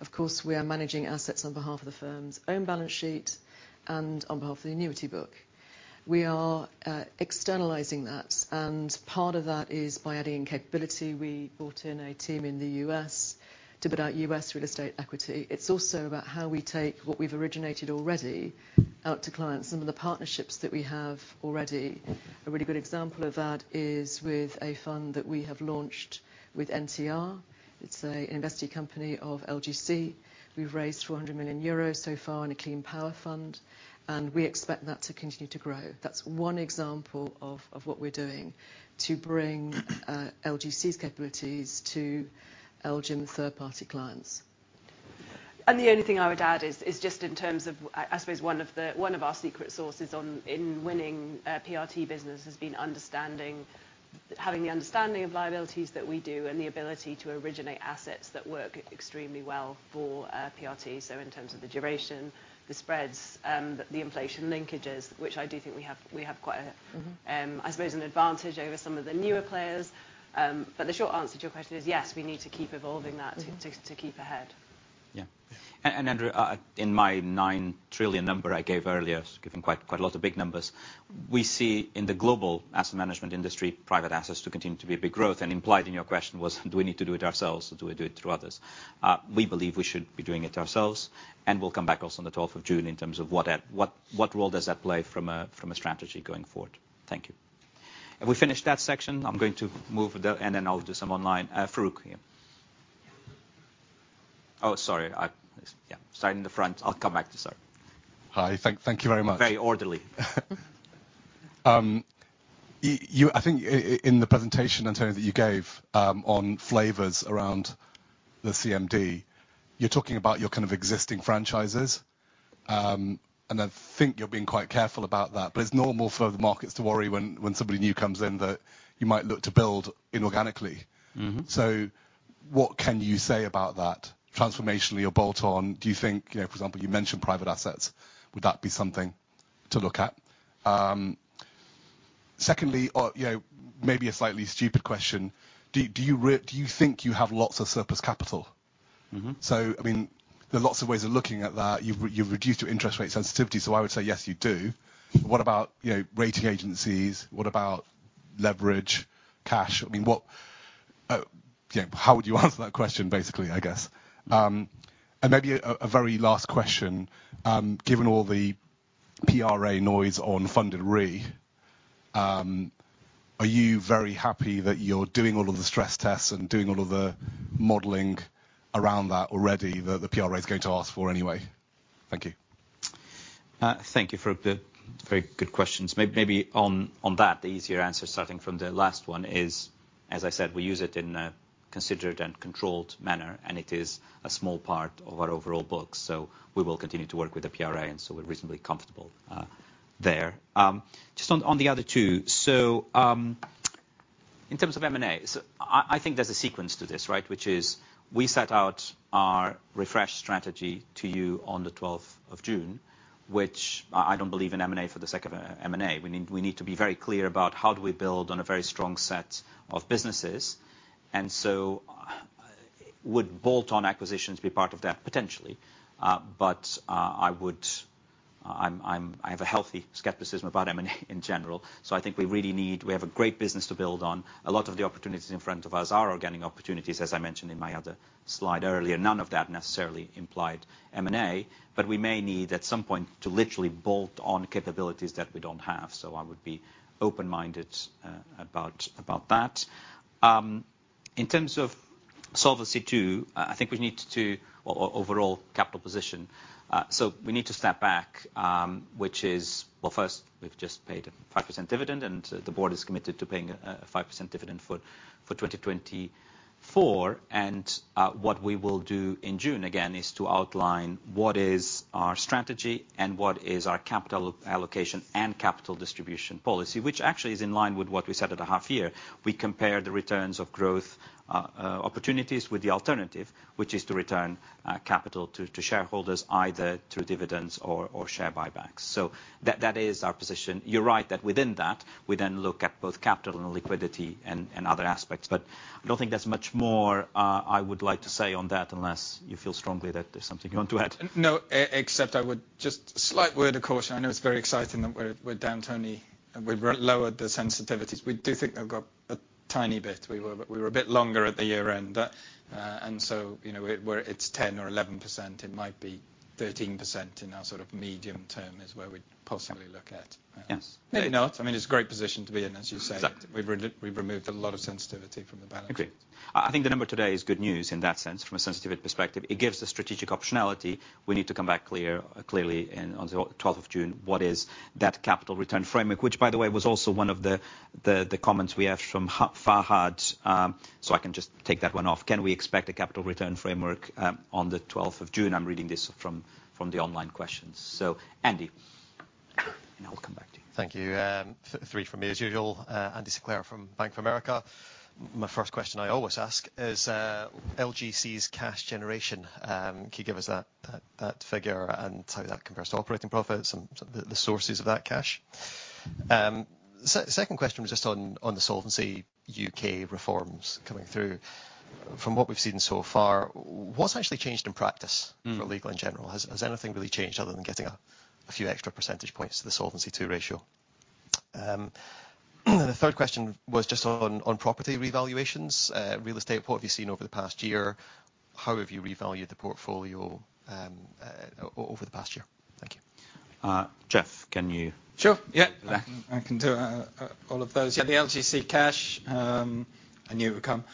Of course, we are managing assets on behalf of the firm's own balance sheet and on behalf of the annuity book. We are externalizing that. And part of that is by adding in capability. We bought in a team in the U.S. to put out U.S. real estate equity. It's also about how we take what we've originated already out to clients. Some of the partnerships that we have already a really good example of that is with a fund that we have launched with NTR. It's an investee company of LGC. We've raised 400 million euros so far in a clean power fund. We expect that to continue to grow. That's one example of what we're doing to bring LGC's capabilities to LGIM third-party clients. The only thing I would add is just in terms of, I suppose, one of our secret sources in winning PRT business has been having the understanding of liabilities that we do and the ability to originate assets that work extremely well for PRT. So in terms of the duration, the spreads, the inflation linkages, which I do think we have quite, I suppose, an advantage over some of the newer players. But the short answer to your question is, yes, we need to keep evolving that to keep ahead. Yeah. Andrew, in my $9 trillion number I gave earlier, giving quite a lot of big numbers, we see in the global asset management industry, private assets to continue to be a big growth. And implied in your question was, do we need to do it ourselves, or do we do it through others? We believe we should be doing it ourselves. And we'll come back also on the 12th of June in terms of what role does that play from a strategy going forward. Thank you. Have we finished that section? I'm going to move and then I'll do some online. Farooq, here. Oh, sorry. Yeah, starting in the front. I'll come back to start. Hi. Thank you very much. Very orderly. I think in the presentation, António, that you gave on flavors around the CMD, you're talking about your kind of existing franchises. I think you're being quite careful about that. It's normal for the markets to worry when somebody new comes in that you might look to build inorganically. What can you say about that transformationally or bolt-on? Do you think, for example, you mentioned private assets? Would that be something to look at? Secondly, maybe a slightly stupid question, do you think you have lots of surplus capital? I mean, there are lots of ways of looking at that. You've reduced your interest rate sensitivity. I would say, yes, you do. What about rating agencies? What about leverage, cash? I mean, how would you answer that question, basically, I guess? Maybe a very last question, given all the PRA noise on funded re, are you very happy that you're doing all of the stress tests and doing all of the modeling around that already that the PRA is going to ask for anyway? Thank you. Thank you, Farooq. Very good questions. Maybe on that, the easier answer starting from the last one is, as I said, we use it in a considered and controlled manner. And it is a small part of our overall book. So we will continue to work with the PRA. And so we're reasonably comfortable there. Just on the other two, so in terms of M&A, I think there's a sequence to this, right, which is we set out our refreshed strategy to you on the 12th of June, which I don't believe in M&A for the sake of M&A. We need to be very clear about how do we build on a very strong set of businesses. And so would bolt-on acquisitions be part of that, potentially? But I have a healthy skepticism about M&A in general. So I think we really need we have a great business to build on. A lot of the opportunities in front of us are organic opportunities, as I mentioned in my other slide earlier. None of that necessarily implied M&A. But we may need at some point to literally bolt on capabilities that we don't have. So I would be open-minded about that. In terms of solvency too, I think we need to overall capital position. So we need to step back, which is, well, first, we've just paid a 5% dividend. The board is committed to paying a 5% dividend for 2024. What we will do in June, again, is to outline what is our strategy and what is our capital allocation and capital distribution policy, which actually is in line with what we set at a half-year. We compare the returns of growth opportunities with the alternative, which is to return capital to shareholders either through dividends or share buybacks. So that is our position. You're right that within that, we then look at both capital and liquidity and other aspects. But I don't think there's much more I would like to say on that unless you feel strongly that there's something you want to add. No, except I would just slight word of caution. I know it's very exciting that we're down, Tony. We've lowered the sensitivities. We do think they've got a tiny bit. We were a bit longer at the year-end. And so where it's 10% or 11%, it might be 13% in our sort of medium term is where we'd possibly look at. Maybe not. I mean, it's a great position to be in, as you say. We've removed a lot of sensitivity from the balance sheet. Agreed. I think the number today is good news in that sense from a sensitivity perspective. It gives the strategic optionality. We need to come back clearly on the 12th of June what is that capital return framework, which, by the way, was also one of the comments we have from Fahad. So I can just take that one off. Can we expect a capital return framework on the 12th of June? I'm reading this from the online questions. So Andy, and I'll come back to you. Thank you. Three from me, as usual. Andrew Sinclair from Bank of America. My first question I always ask is, LGC's cash generation. Can you give us that figure and how that compares to operating profits and the sources of that cash? Second question was just on the solvency UK reforms coming through. From what we've seen so far, what's actually changed in practice for Legal & General? Has anything really changed other than getting a few extra percentage points to the solvency ratio? And the third question was just on property revaluations. Real estate, what have you seen over the past year? How have you revalued the portfolio over the past year? Thank you. Jeff, can you? Sure. Yeah. I can do all of those. Yeah, the LGC cash, I knew it would come.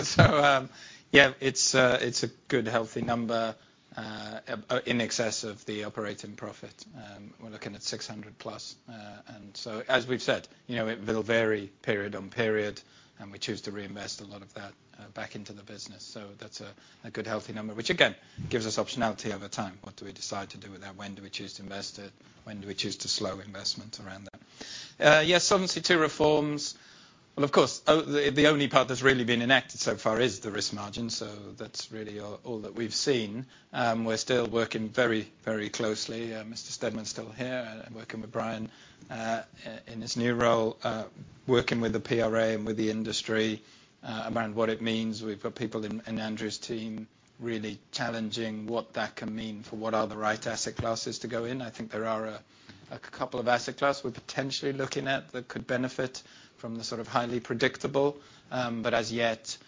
So yeah, it's a good, healthy number in excess of the operating profit. We're looking at 600+. And so as we've said, it will vary period on period. And we choose to reinvest a lot of that back into the business. So that's a good, healthy number, which, again, gives us optionality over time. What do we decide to do with that? When do we choose to invest it? When do we choose to slow investment around that? Yeah, Solvency II reforms. Well, of course, the only part that's really been enacted so far is the risk margin. So that's really all that we've seen. We're still working very, very closely. Mr. Stedman's still here working with Brian in his new role, working with the PRA and with the industry around what it means. We've got people in Andrew's team really challenging what that can mean for what are the right asset classes to go in. I think there are a couple of asset classes we're potentially looking at that could benefit from the sort of highly predictable. But as yet,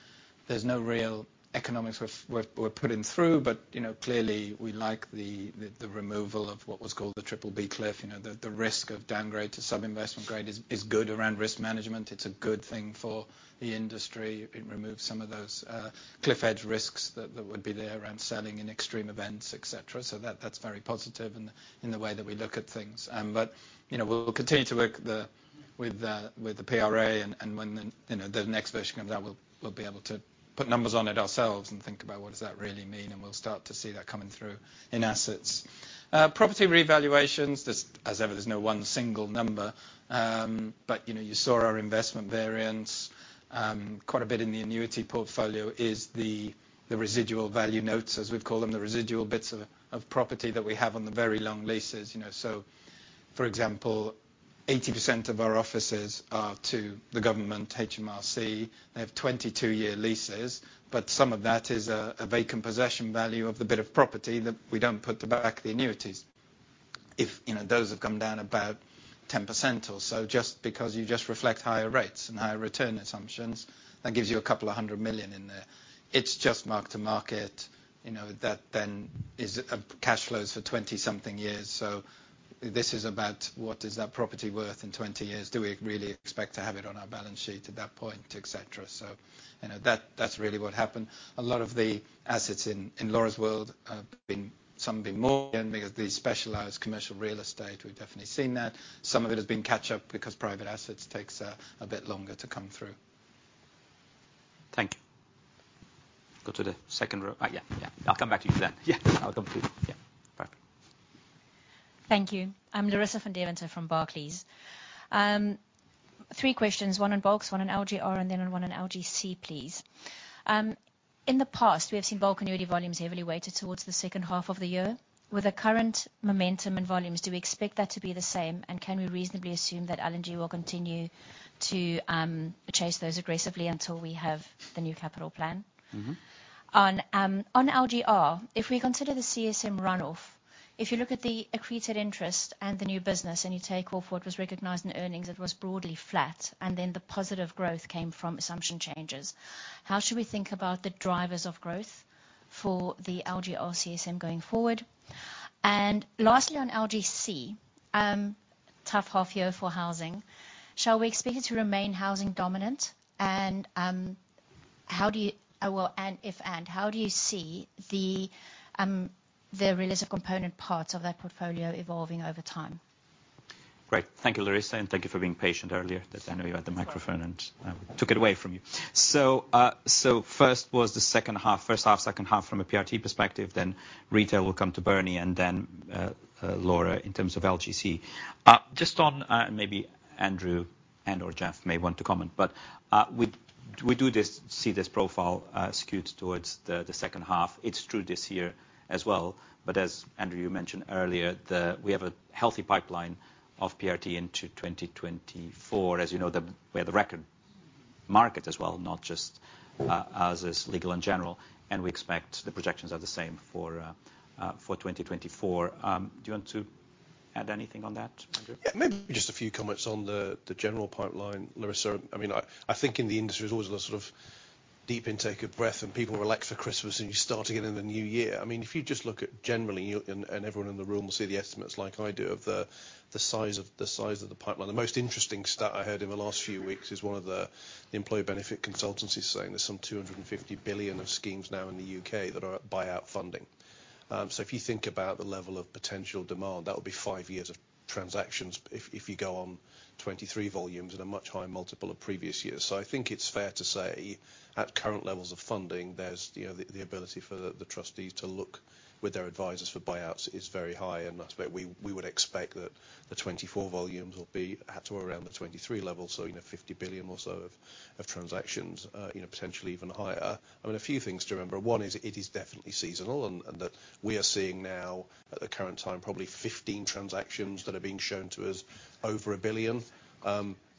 there's no real economics we're putting through. But clearly, we like the removal of what was called the BBB cliff. The risk of downgrade to sub-investment grade is good around risk management. It's a good thing for the industry. It removes some of those cliff-edge risks that would be there around selling in extreme events, etc. So that's very positive in the way that we look at things. But we'll continue to work with the PRA. And when the next version comes out, we'll be able to put numbers on it ourselves and think about what does that really mean. And we'll start to see that coming through in assets. Property revaluations, as ever, there's no one single number. But you saw our investment variance. Quite a bit in the annuity portfolio is the residual value notes, as we call them, the residual bits of property that we have on the very long leases. So for example, 80% of our offices are to the government, HMRC. They have 22-year leases. But some of that is a vacant possession value of the bit of property that we don't put to back the annuities. Those have come down about 10% or so. Just because you just reflect higher rates and higher return assumptions, that gives you 200 million in there. It's just mark-to-market. That then cash flows for 20-something years. So this is about what is that property worth in 20 years? Do we really expect to have it on our balance sheet at that point, etc.? So that's really what happened. A lot of the assets in Laura's world, some have been more because of the specialized commercial real estate. We've definitely seen that. Some of it has been catch-up because private assets takes a bit longer to come through. Thank you. Go to the second row. Yeah. Yeah. I'll come back to you then. Yeah. I'll come to you. Yeah. Perfect. Thank you. I'm Larissa van Deventer from Barclays. Three questions. One on bulk, one on LGR, and then one on LGC, please. In the past, we have seen bulk annuity volumes heavily weighted towards the second half of the year. With the current momentum in volumes, do we expect that to be the same? And can we reasonably assume that L&G will continue to chase those aggressively until we have the new capital plan? On LGR, if we consider the CSM run-off, if you look at the accreted interest and the new business and you take off what was recognised in earnings, it was broadly flat. And then the positive growth came from assumption changes. How should we think about the drivers of growth for the LGR CSM going forward? And lastly, on LGC, tough half-year for housing, shall we expect it to remain housing dominant? How do you see the real estate component parts of that portfolio evolving over time? Great. Thank you, Larissa. Thank you for being patient earlier. I know you had the microphone. I took it away from you. So first was the first half, second half from a PRT perspective. Then retail will come to Bernie. Then Laura, in terms of LGC. Just on, and maybe Andrew and/or Jeff may want to comment. But we do see this profile skewed towards the second half. It's true this year as well. But as Andrew, you mentioned earlier, we have a healthy pipeline of PRT into 2024. As you know, it's a record market as well, not just for us at Legal & General. We expect the projections are the same for 2024. Do you want to add anything on that, Andrew? Yeah. Maybe just a few comments on the general pipeline, Larissa. I mean, I think in the industry, there's always a sort of deep intake of breath. And people relax for Christmas. And you start again in the new year. I mean, if you just look at generally, and everyone in the room will see the estimates like I do of the size of the pipeline, the most interesting stat I heard in the last few weeks is one of the employee benefit consultancies saying there's some 250 billion of schemes now in the U.K. that are buyout funding. So if you think about the level of potential demand, that would be five years of transactions if you go on 23 volumes and a much higher multiple of previous years. So I think it's fair to say, at current levels of funding, the ability for the trustees to look with their advisors for buyouts is very high. And I suspect we would expect that the 2024 volumes will be at or around the 2023 level. So 50 billion or so of transactions, potentially even higher. I mean, a few things to remember. One is it is definitely seasonal. And that we are seeing now, at the current time, probably 15 transactions that are being shown to us over 1 billion.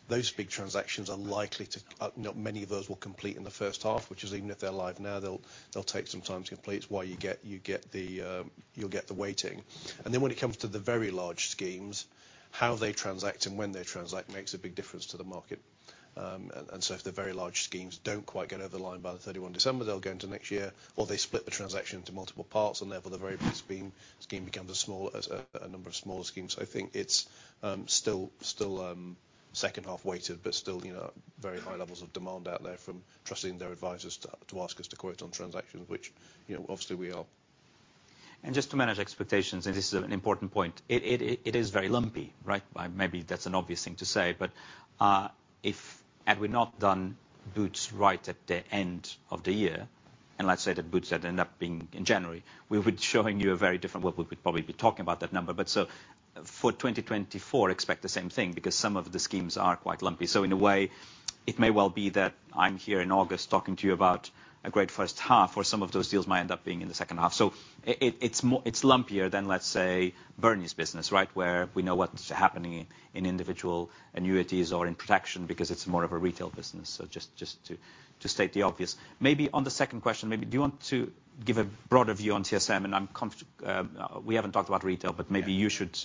Those big transactions are likely to not many of those will complete in the first half, which is even if they're live now, they'll take some time to complete. It's why you get the waiting. And then when it comes to the very large schemes, how they transact and when they transact makes a big difference to the market. If the very large schemes don't quite get over the line by the 31st of December, they'll go into next year. Or they split the transaction into multiple parts. And therefore, the very big scheme becomes a smaller number of smaller schemes. I think it's still second-half weighted, but still very high levels of demand out there from trusting their advisors to ask us to quote on transactions, which obviously, we are. Just to manage expectations, and this is an important point, it is very lumpy, right? Maybe that's an obvious thing to say. But had we not done Boots right at the end of the year and let's say that Boots that end up being in January, we would be showing you a very different well, we would probably be talking about that number. But so for 2024, expect the same thing because some of the schemes are quite lumpy. So in a way, it may well be that I'm here in August talking to you about a great first half. Or some of those deals might end up being in the second half. So it's lumpier than, let's say, Bernie's business, right, where we know what's happening in individual annuities or in protection because it's more of a retail business. So just to state the obvious. Maybe on the second question, maybe do you want to give a broader view on CSM? We haven't talked about retail. Maybe you should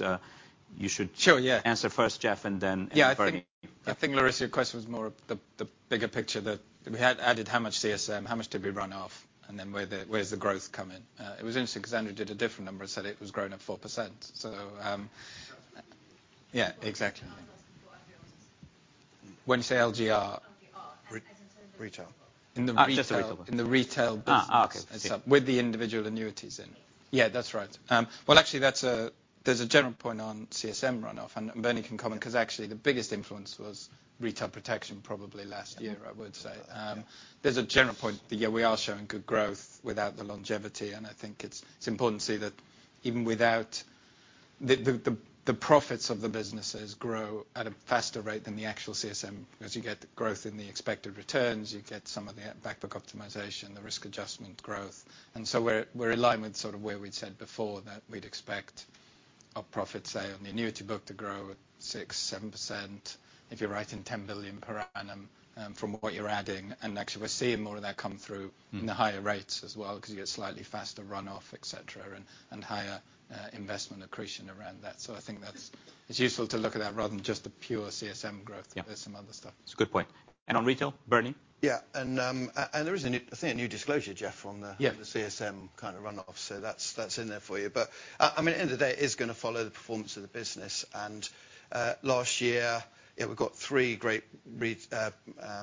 answer first, Jeff, and then Bernie. Yeah. I think, Larissa, your question was more the bigger picture that we had added how much CSM, how much did we run off, and then where's the growth come in? It was interesting because Andrew did a different number. He said it was growing at 4%. So yeah, exactly. When you say LGR? LGR, as in terms of? Retail. In the retail business. Just the retail business. okay. With the individual annuities in. Yeah, that's right. Well, actually, there's a general point on CSM run-off. And Bernie can comment because actually, the biggest influence was retail protection probably last year, I would say. There's a general point that, yeah, we are showing good growth without the longevity. And I think it's important to see that even without the profits of the businesses grow at a faster rate than the actual CSM because you get growth in the expected returns. You get some of the backbook optimisation, the risk adjustment growth. And so we're in line with sort of where we'd said before that we'd expect our profits, say, on the annuity book to grow at 6%-7% if you're writing 10 billion per annum from what you're adding. Actually, we're seeing more of that come through in the higher rates as well because you get slightly faster run-off, etc., and higher investment accretion around that. So I think it's useful to look at that rather than just the pure CSM growth. There's some other stuff. That's a good point. And on retail, Bernie? Yeah. And there is, I think, a new disclosure, Jeff, on the CSM kind of run-off. So that's in there for you. But I mean, at the end of the day, it is going to follow the performance of the business. And last year, yeah, we've got three great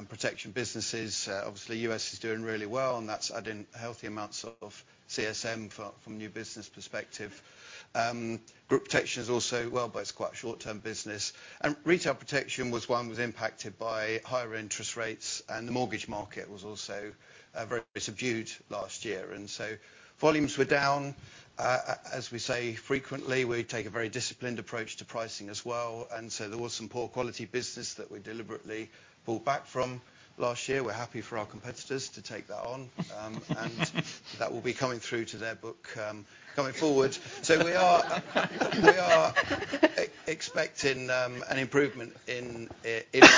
protection businesses. Obviously, U.S. is doing really well. And that's adding healthy amounts of CSM from a new business perspective. Group protection is also well, but it's quite a short-term business. And retail protection was one that was impacted by higher interest rates. And the mortgage market was also very subdued last year. And so volumes were down. As we say frequently, we take a very disciplined approach to pricing as well. And so there was some poor-quality business that we deliberately pulled back from last year. We're happy for our competitors to take that on. That will be coming through to their book coming forward. We are expecting an improvement in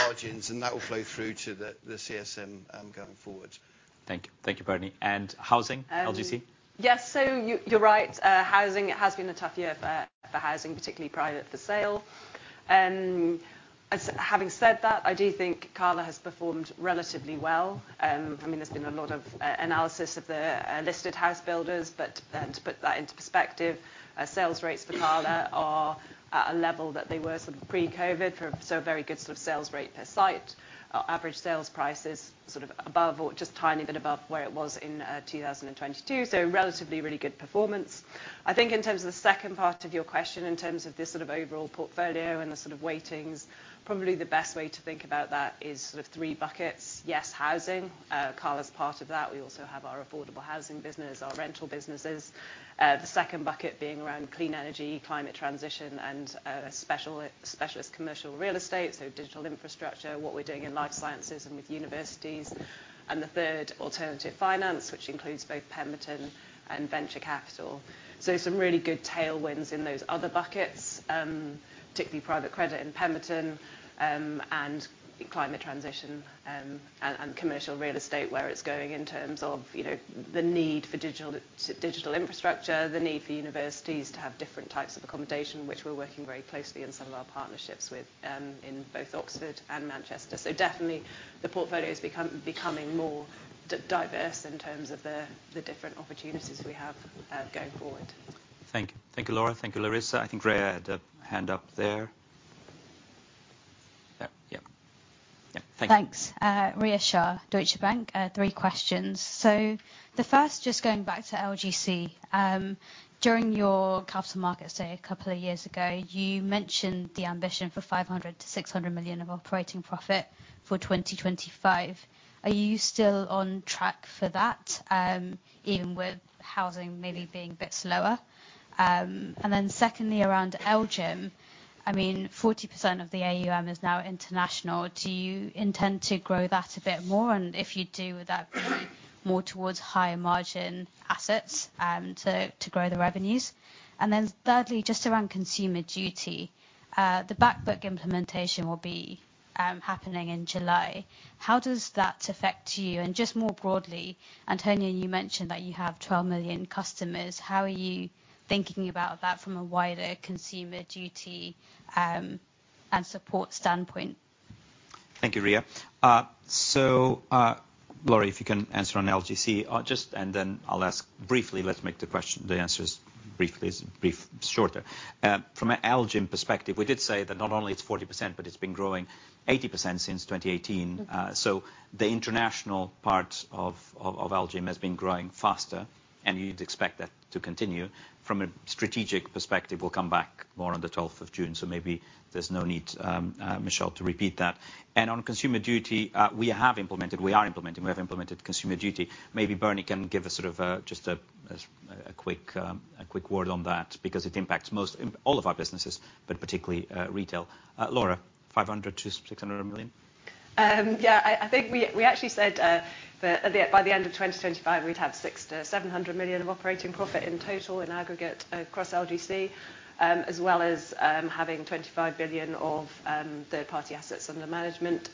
margins. That will flow through to the CSM going forward. Thank you. Thank you, Bernie. And housing, LGC? Yes. So you're right. Housing, it has been a tough year for housing, particularly private for sale. Having said that, I do think CALA has performed relatively well. I mean, there's been a lot of analysis of the listed house builders. But to put that into perspective, sales rates for CALA are at a level that they were sort of pre-COVID, so a very good sort of sales rate per site. Average sales prices sort of above or just a tiny bit above where it was in 2022. So relatively really good performance. I think in terms of the second part of your question, in terms of this sort of overall portfolio and the sort of weightings, probably the best way to think about that is sort of three buckets. Yes, housing. CALA's part of that. We also have our affordable housing business, our rental businesses. The second bucket being around clean energy, climate transition, and specialist commercial real estate, so digital infrastructure, what we're doing in life sciences and with universities. And the third, alternative finance, which includes both Pemberton and venture capital. So some really good tailwinds in those other buckets, particularly private credit in Pemberton and climate transition and commercial real estate where it's going in terms of the need for digital infrastructure, the need for universities to have different types of accommodation, which we're working very closely in some of our partnerships in both Oxford and Manchester. So definitely, the portfolio is becoming more diverse in terms of the different opportunities we have going forward. Thank you. Thank you, Laura. Thank you, Larissa. I think Rhea had a hand up there. Yeah. Yeah. Yeah. Thank you. Thanks. Rhea Shah, Deutsche Bank, three questions. So the first, just going back to LGC. During your capital markets day a couple of years ago, you mentioned the ambition for 500 million-600 million of operating profit for 2025. Are you still on track for that, even with housing maybe being a bit slower? And then secondly, around LGIM, I mean, 40% of the AUM is now international. Do you intend to grow that a bit more? And if you do, would that be more towards higher margin assets to grow the revenues? And then thirdly, just around Consumer Duty, the backbook implementation will be happening in July. How does that affect you? And just more broadly, António, you mentioned that you have 12 million customers. How are you thinking about that from a wider Consumer Duty and support standpoint? Thank you, Rhea. So Laura, if you can answer on LGC, just, and then I'll ask briefly. Let's make the answers briefly shorter. From an LGIM perspective, we did say that not only it's 40%, but it's been growing 80% since 2018. So the international part of LGIM has been growing faster. And you'd expect that to continue. From a strategic perspective, we'll come back more on the 12th of June. So maybe there's no need, Michelle, to repeat that. And on Consumer Duty, we have implemented we are implementing. We have implemented Consumer Duty. Maybe Bernie can give us sort of just a quick word on that because it impacts all of our businesses, but particularly retail. Laura, 500 million-600 million? Yeah. I think we actually said that by the end of 2025, we'd have 600-700 million of operating profit in total and aggregate across LGC, as well as having 25 billion of third-party assets under management.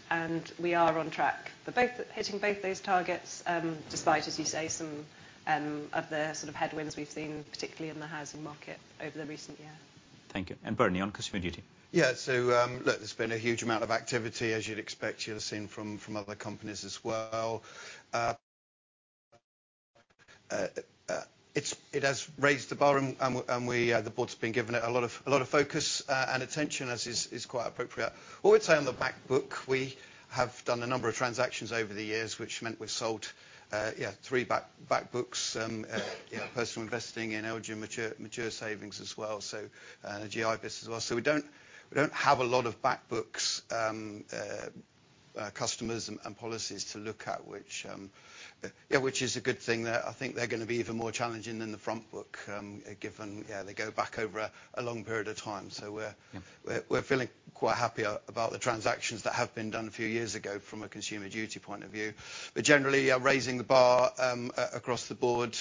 We are on track for hitting both those targets, despite, as you say, some of the sort of headwinds we've seen, particularly in the housing market over the recent year. Thank you. And Bernie, on Consumer Duty? Yeah. So look, there's been a huge amount of activity, as you'd expect. You'll have seen from other companies as well. It has raised the bar. And the board's been given a lot of focus and attention, as is quite appropriate. What we'd say on the backbook, we have done a number of transactions over the years, which meant we've sold, yeah, three backbooks, yeah, personal investing in LGIM, mature savings as well, so GI business as well. So we don't have a lot of backbooks customers and policies to look at, yeah, which is a good thing. I think they're going to be even more challenging than the frontbook given, yeah, they go back over a long period of time. So we're feeling quite happy about the transactions that have been done a few years ago from a Consumer Duty point of view. But generally, raising the bar across the board,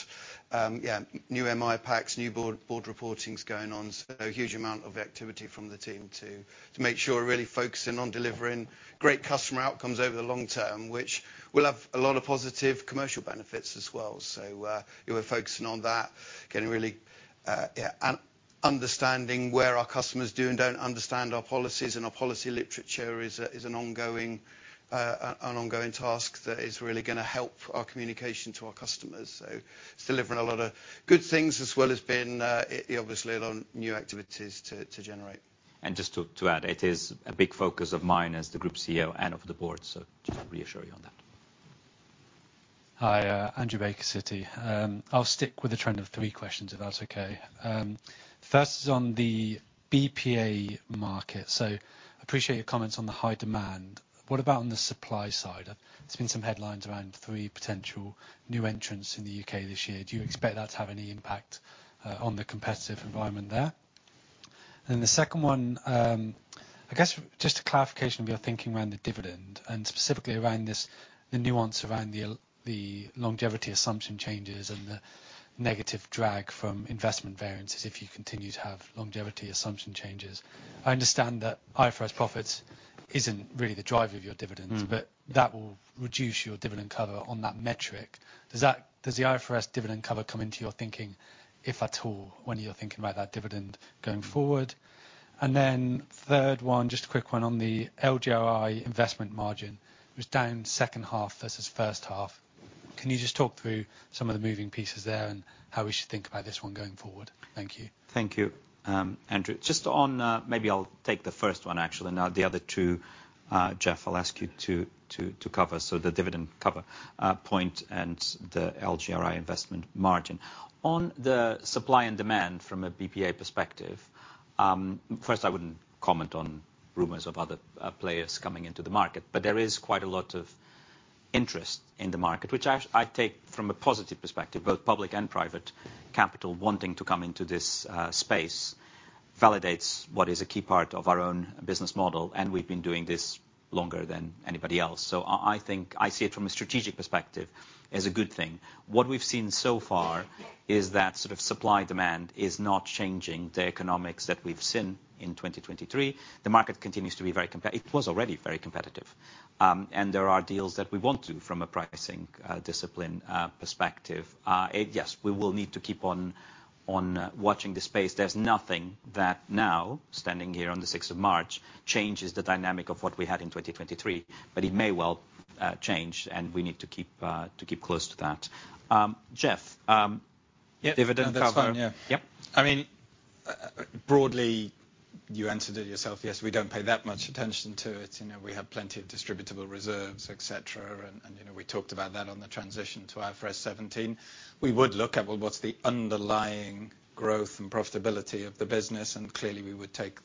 yeah, new MI packs, new board reportings going on, so a huge amount of activity from the team to make sure we're really focusing on delivering great customer outcomes over the long term, which will have a lot of positive commercial benefits as well. So we're focusing on that, getting really, yeah, understanding where our customers do and don't understand our policies. And our policy literature is an ongoing task that is really going to help our communication to our customers. So it's delivering a lot of good things as well as being, obviously, a lot of new activities to generate. And just to add, it is a big focus of mine as the Group CEO and of the board. So just to reassure you on that. Hi, Andrew Baker, Citi. I'll stick with a trend of three questions if that's okay. First is on the BPA market. So I appreciate your comments on the high demand. What about on the supply side? There's been some headlines around three potential new entrants in the U.K. this year. Do you expect that to have any impact on the competitive environment there? And then the second one, I guess, just a clarification of your thinking around the dividend and specifically around the nuance around the longevity assumption changes and the negative drag from investment variances if you continue to have longevity assumption changes. I understand that IFRS profits isn't really the driver of your dividends. But that will reduce your dividend cover on that metric. Does the IFRS dividend cover come into your thinking, if at all, when you're thinking about that dividend going forward? And then the third one, just a quick one on the LGRI investment margin, which is down second half versus first half. Can you just talk through some of the moving pieces there and how we should think about this one going forward? Thank you. Thank you, Andrew. Just on, maybe I'll take the first one, actually, and now the other two, Jeff. I'll ask you to cover so the dividend cover point and the LGRI investment margin. On the supply and demand from a BPA perspective, first, I wouldn't comment on rumours of other players coming into the market. But there is quite a lot of interest in the market, which I take from a positive perspective. Both public and private capital wanting to come into this space validates what is a key part of our own business model. And we've been doing this longer than anybody else. So I see it from a strategic perspective as a good thing. What we've seen so far is that sort of supply demand is not changing the economics that we've seen in 2023. The market continues to be very; it was already very competitive. There are deals that we want to from a pricing discipline perspective. Yes, we will need to keep on watching the space. There's nothing that now, standing here on the 6th of March, changes the dynamic of what we had in 2023. But it may well change. And we need to keep close to that. Jeff, dividend cover? Yeah. That's fine. Yeah. I mean, broadly, you answered it yourself. Yes, we don't pay that much attention to it. We have plenty of distributable reserves, etc. And we talked about that on the transition to IFRS 17. We would look at, well, what's the underlying growth and profitability of the business? And clearly, we would take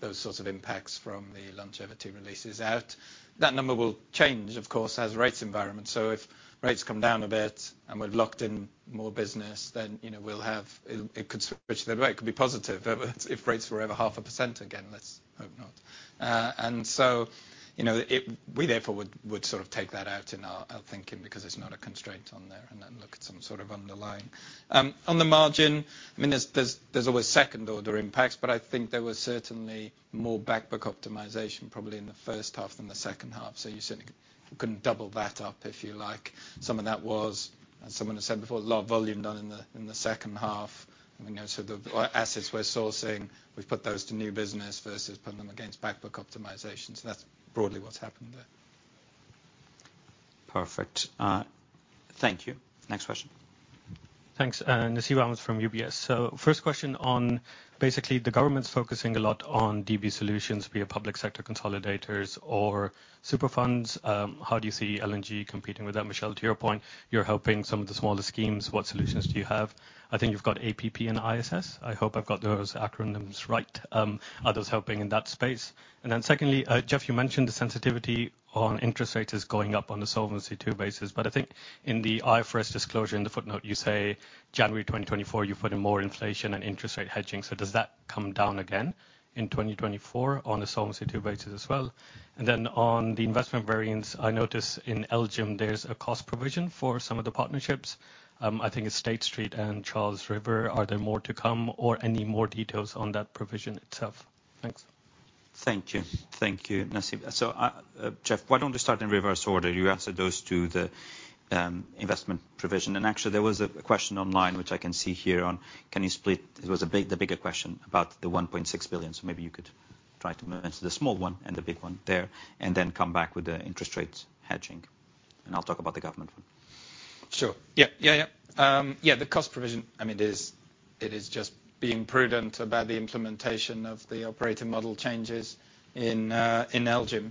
those sorts of impacts from the longevity releases out. That number will change, of course, as rates environment. So if rates come down a bit and we've locked in more business, then we'll have it could switch that way. It could be positive. But if rates were ever 0.5% again, let's hope not. And so we, therefore, would sort of take that out in our thinking because it's not a constraint on there and then look at some sort of underlying on the margin. I mean, there's always second-order impacts. But I think there was certainly more backbook optimization probably in the first half than the second half. So you certainly couldn't double that up, if you like. Some of that was, as someone has said before, a lot of volume done in the second half. I mean, so the assets we're sourcing, we've put those to new business versus putting them against backbook optimization. So that's broadly what's happened there. Perfect. Thank you. Next question. Thanks. Nasib Ahmed from UBS. So first question on basically, the government's focusing a lot on DB solutions via public sector consolidators or super funds. How do you see L&G competing with that? Michelle, to your point, you're helping some of the smaller schemes. What solutions do you have? I think you've got APP and ISS. I hope I've got those acronyms right. Are those helping in that space? And then secondly, Jeff, you mentioned the sensitivity on interest rates is going up on a Solvency II basis. But I think in the IFRS disclosure, in the footnote, you say January 2024, you put in more inflation and interest rate hedging. So does that come down again in 2024 on a Solvency II basis as well? And then on the investment variance, I notice in LGIM, there's a cost provision for some of the partnerships. I think it's State Street and Charles River. Are there more to come or any more details on that provision itself? Thanks. Thank you. Thank you, Nasib. So Jeff, why don't we start in reverse order? You answered those two, the investment provision. And actually, there was a question online, which I can see here on, can you split it was the bigger question about the 1.6 billion. So maybe you could try to mention the small one and the big one there and then come back with the interest rate hedging. And I'll talk about the government one. Sure. Yeah. Yeah. Yeah. Yeah. The cost provision, I mean, it is just being prudent about the implementation of the operating model changes in LGIM,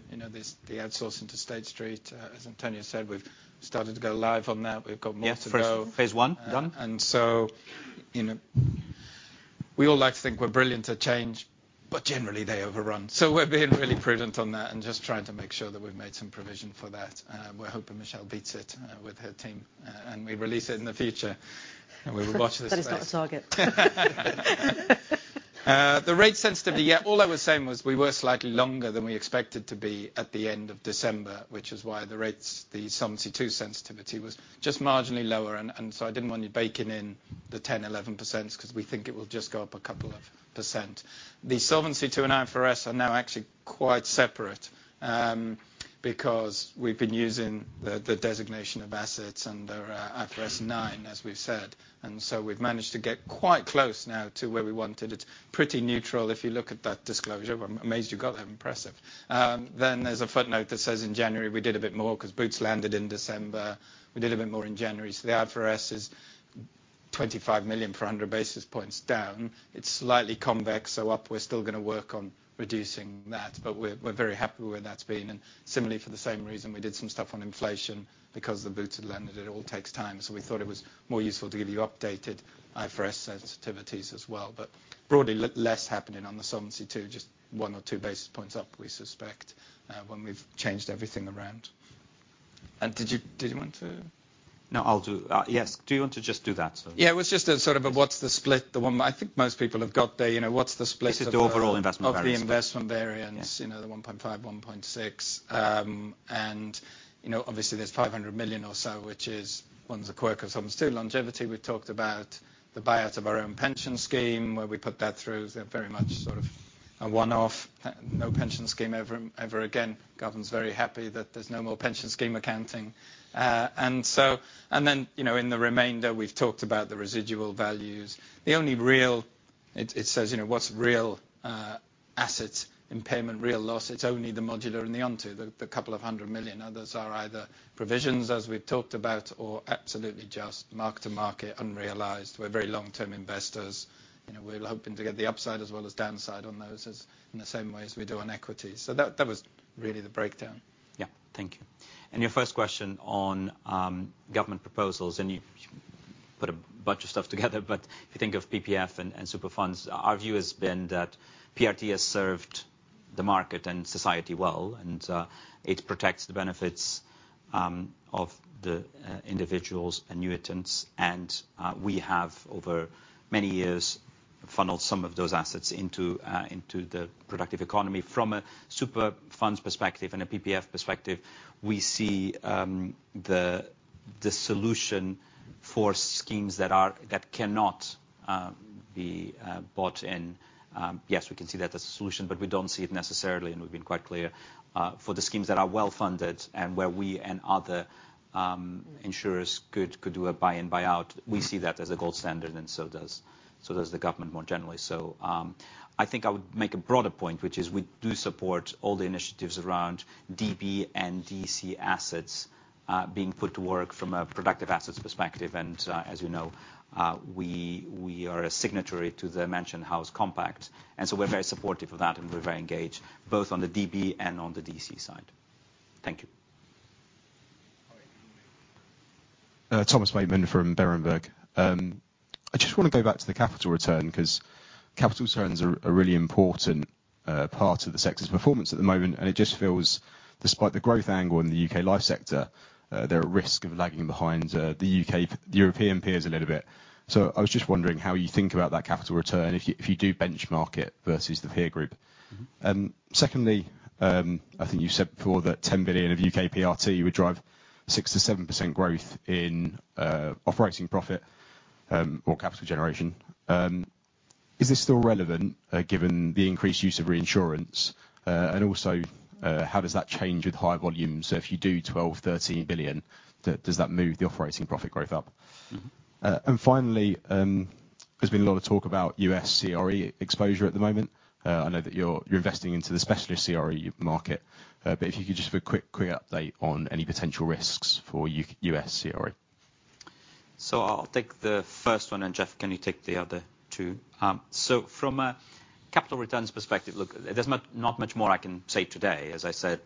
the outsourcing to State Street. As Antonio said, we've started to go live on that. We've got more to go. Yeah. Phase I done? And so we all like to think we're brilliant at change. But generally, they overrun. So we're being really prudent on that and just trying to make sure that we've made some provision for that. We're hoping Michelle beats it with her team. And we release it in the future. And we will watch this back. But it's not a target. The rate sensitivity, yeah, all I was saying was we were slightly longer than we expected to be at the end of December, which is why the rates, the Solvency II sensitivity was just marginally lower. So I didn't want you baking in the 10%-11% because we think it will just go up a couple of percent. The Solvency II and IFRS are now actually quite separate because we've been using the designation of assets under IFRS 9, as we've said. So we've managed to get quite close now to where we wanted. It's pretty neutral if you look at that disclosure. I'm amazed you got that. Impressive. Then there's a footnote that says, in January, we did a bit more because Boots landed in December. We did a bit more in January. So the IFRS is 25 million for 100 basis points down. It's slightly convex. So up, we're still going to work on reducing that. But we're very happy where that's been. And similarly, for the same reason, we did some stuff on inflation because the Boots had landed. It all takes time. So we thought it was more useful to give you updated IFRS sensitivities as well. But broadly, less happening on the Solvency II. Just one or two basis points up, we suspect, when we've changed everything around. And did you want to? No, I'll do yes. Do you want to just do that? Yeah. It was just sort of a what's the split? The one I think most people have got there. What's the split of the? Just the overall investment variance. Of the investment variance, the 1.5, 1.6. And obviously, there's 500 million or so, which is one's a quirk of Solvency II. Longevity, we've talked about the buyout of our own pension scheme, where we put that through. It's very much sort of a one-off, no pension scheme ever again. Government's very happy that there's no more pension scheme accounting. And then in the remainder, we've talked about the residual values. The only real it says, what's real assets in payment, real loss? It's only the modular and the Onto, the couple of hundred million. Others are either provisions, as we've talked about, or absolutely just mark-to-market, unrealized. We're very long-term investors. We're hoping to get the upside as well as downside on those in the same way as we do on equities. So that was really the breakdown. Yeah. Thank you. Your first question on government proposals. You put a bunch of stuff together. But if you think of PPF and super funds, our view has been that PRT has served the market and society well. And it protects the benefits of the individuals and annuitants. And we have, over many years, funneled some of those assets into the productive economy. From a super funds perspective and a PPF perspective, we see the solution for schemes that cannot be bought in. Yes, we can see that as a solution. But we don't see it necessarily. And we've been quite clear. For the schemes that are well-funded and where we and other insurers could do a buy-in, buy-out, we see that as a gold standard. And so does the government more generally. I think I would make a broader point, which is we do support all the initiatives around DB and DC assets being put to work from a productive assets perspective. As you know, we are a signatory to the Mansion House Compact. So we're very supportive of that. We're very engaged both on the DB and on the DC side. Thank you. Thomas Bateman from Berenberg. I just want to go back to the capital return because capital returns are a really important part of the sector's performance at the moment. It just feels, despite the growth angle in the U.K. life sector, they're at risk of lagging behind the European peers a little bit. So I was just wondering how you think about that capital return, if you do benchmark it versus the peer group. Secondly, I think you said before that 10 billion of UK PRT would drive 6%-7% growth in operating profit or capital generation. Is this still relevant given the increased use of reinsurance? And also, how does that change with high volumes? So if you do 12-13 billion, does that move the operating profit growth up? And finally, there's been a lot of talk about US CRE exposure at the moment. I know that you're investing into the specialist CRE market. But if you could just for a quick, quick update on any potential risks for U.S. CRE. So I'll take the first one. And Jeff, can you take the other two? So from a capital returns perspective, look, there's not much more I can say today. As I said,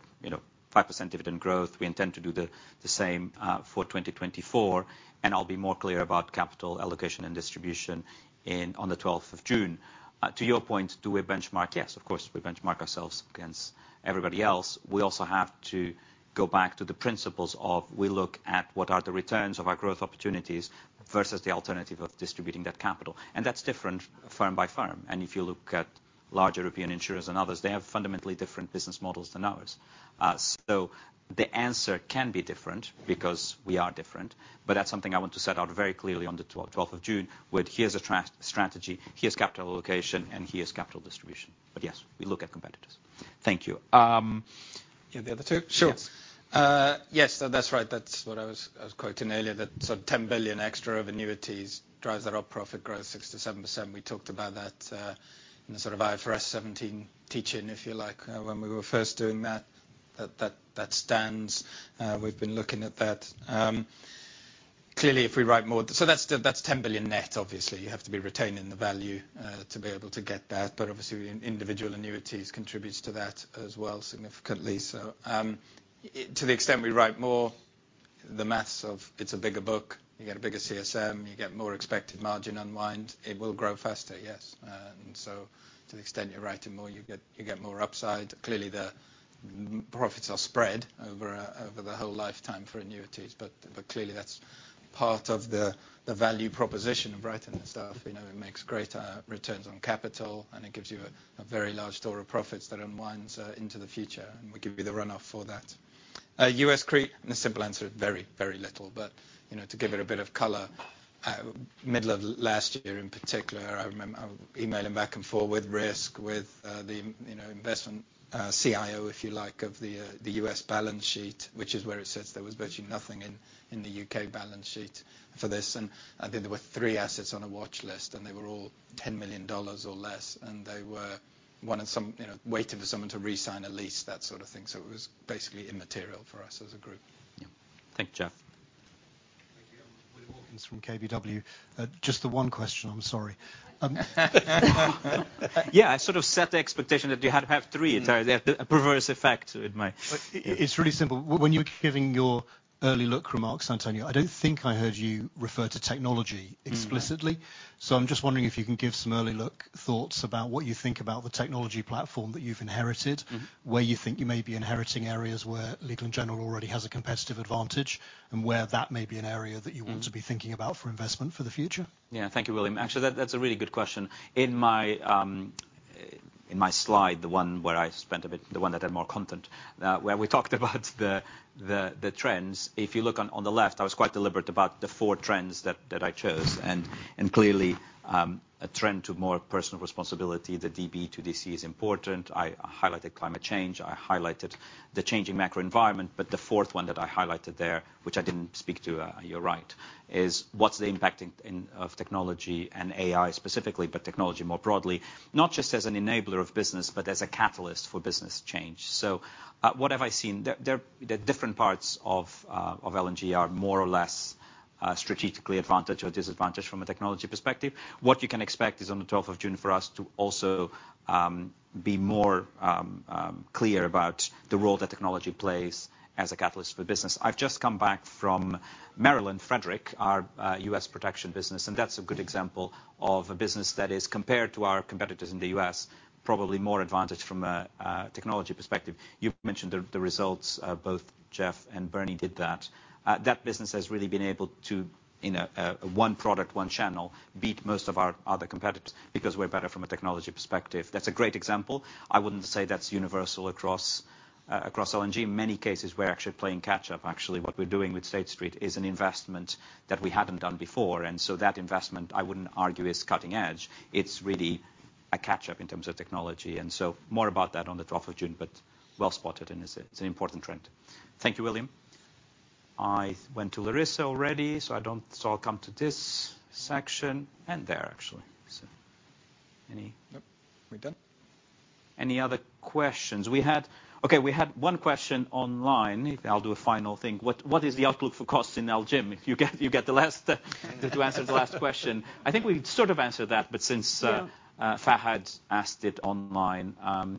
5% dividend growth. We intend to do the same for 2024. And I'll be more clear about capital allocation and distribution on the 12th of June. To your point, do we benchmark? Yes, of course. We benchmark ourselves against everybody else. We also have to go back to the principles of we look at what are the returns of our growth opportunities versus the alternative of distributing that capital. And that's different firm by firm. And if you look at large European insurers and others, they have fundamentally different business models than ours. So the answer can be different because we are different. But that's something I want to set out very clearly on the 12th of June with, here's a strategy, here's capital allocation, and here's capital distribution. But yes, we look at competitors. Thank you. Yeah. The other two? Sure. Yes. So that's right. That's what I was quoting earlier, that sort of 10 billion extra of annuities drives that up profit growth 6%-7%. We talked about that in the sort of IFRS 17 teaching, if you like, when we were first doing that. That stands. We've been looking at that. Clearly, if we write more so that's 10 billion net, obviously. You have to be retaining the value to be able to get that. But obviously, individual annuities contributes to that as well significantly. So to the extent we write more, the maths of it's a bigger book. You get a bigger CSM. You get more expected margin unwind. It will grow faster, yes. And so to the extent you're writing more, you get more upside. Clearly, the profits are spread over the whole lifetime for annuities. But clearly, that's part of the value proposition of writing this stuff. It makes greater returns on capital. And it gives you a very large store of profits that unwinds into the future. And we give you the runoff for that. U.S. CRE, and the simple answer is very, very little. But to give it a bit of color, middle of last year in particular, I remember emailing back and forth with Risk, with the investment CIO, if you like, of the U.S. balance sheet, which is where it says there was virtually nothing in the U.K. balance sheet for this. And I think there were three assets on a watchlist. And they were all $10 million or less. And they were waiting for someone to resign a lease, that sort of thing. So it was basically immaterial for us as a group. Yeah. Thanks, Jeff. Thank you. William Hawkins from KBW. Just the one question. I'm sorry. Yeah. I sort of set the expectation that you had to have three. It had a perverse effect in my. It's really simple. When you were giving your early look remarks, Antonio, I don't think I heard you refer to technology explicitly. So I'm just wondering if you can give some early look thoughts about what you think about the technology platform that you've inherited, where you think you may be inheriting areas where Legal & General already has a competitive advantage, and where that may be an area that you want to be thinking about for investment for the future? Yeah. Thank you, William. Actually, that's a really good question. In my slide, the one where I spent a bit the one that had more content, where we talked about the trends, if you look on the left, I was quite deliberate about the four trends that I chose. And clearly, a trend to more personal responsibility, the DB to DC is important. I highlighted climate change. I highlighted the changing macroenvironment. But the fourth one that I highlighted there, which I didn't speak to, you're right, is what's the impact of technology and AI specifically, but technology more broadly, not just as an enabler of business, but as a catalyst for business change. So what have I seen? There are different parts of L&G that are more or less strategically advantaged or disadvantaged from a technology perspective. What you can expect is on the 12th of June for us to also be more clear about the role that technology plays as a catalyst for business. I've just come back from Frederick, Maryland, our U.S. protection business. That's a good example of a business that is, compared to our competitors in the U.S., probably more advantaged from a technology perspective. You've mentioned the results. Both Jeff and Bernie did that. That business has really been able to, in one product, one channel, beat most of our other competitors because we're better from a technology perspective. That's a great example. I wouldn't say that's universal across L&G. In many cases, we're actually playing catch-up. Actually, what we're doing with State Street is an investment that we hadn't done before. So that investment, I wouldn't argue, is cutting edge. It's really a catch-up in terms of technology. And so more about that on the 12th of June. But well spotted. And it's an important trend. Thank you, William. I went to Larissa already. So I don't so I'll come to this section. And there, actually. So any. Nope. We're done. Any other questions? Okay. We had one question online. I'll do a final thing. What is the outlook for costs in LGIM? You get the last to answer the last question. I think we sort of answered that. But since Fahad asked it online,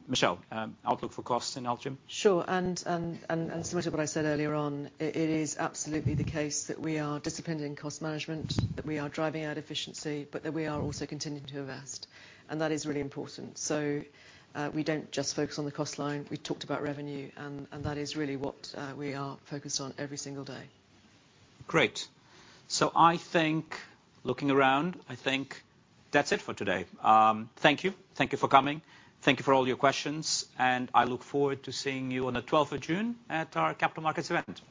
Michelle, outlook for costs in LGIM? Sure. And similar to what I said earlier on, it is absolutely the case that we are disciplining cost management, that we are driving out efficiency, but that we are also continuing to invest. And that is really important. So we don't just focus on the cost line. We talked about revenue. And that is really what we are focused on every single day. Great. So I think, looking around, I think that's it for today. Thank you. Thank you for coming. Thank you for all your questions. And I look forward to seeing you on the 12th of June at our Capital Markets Event.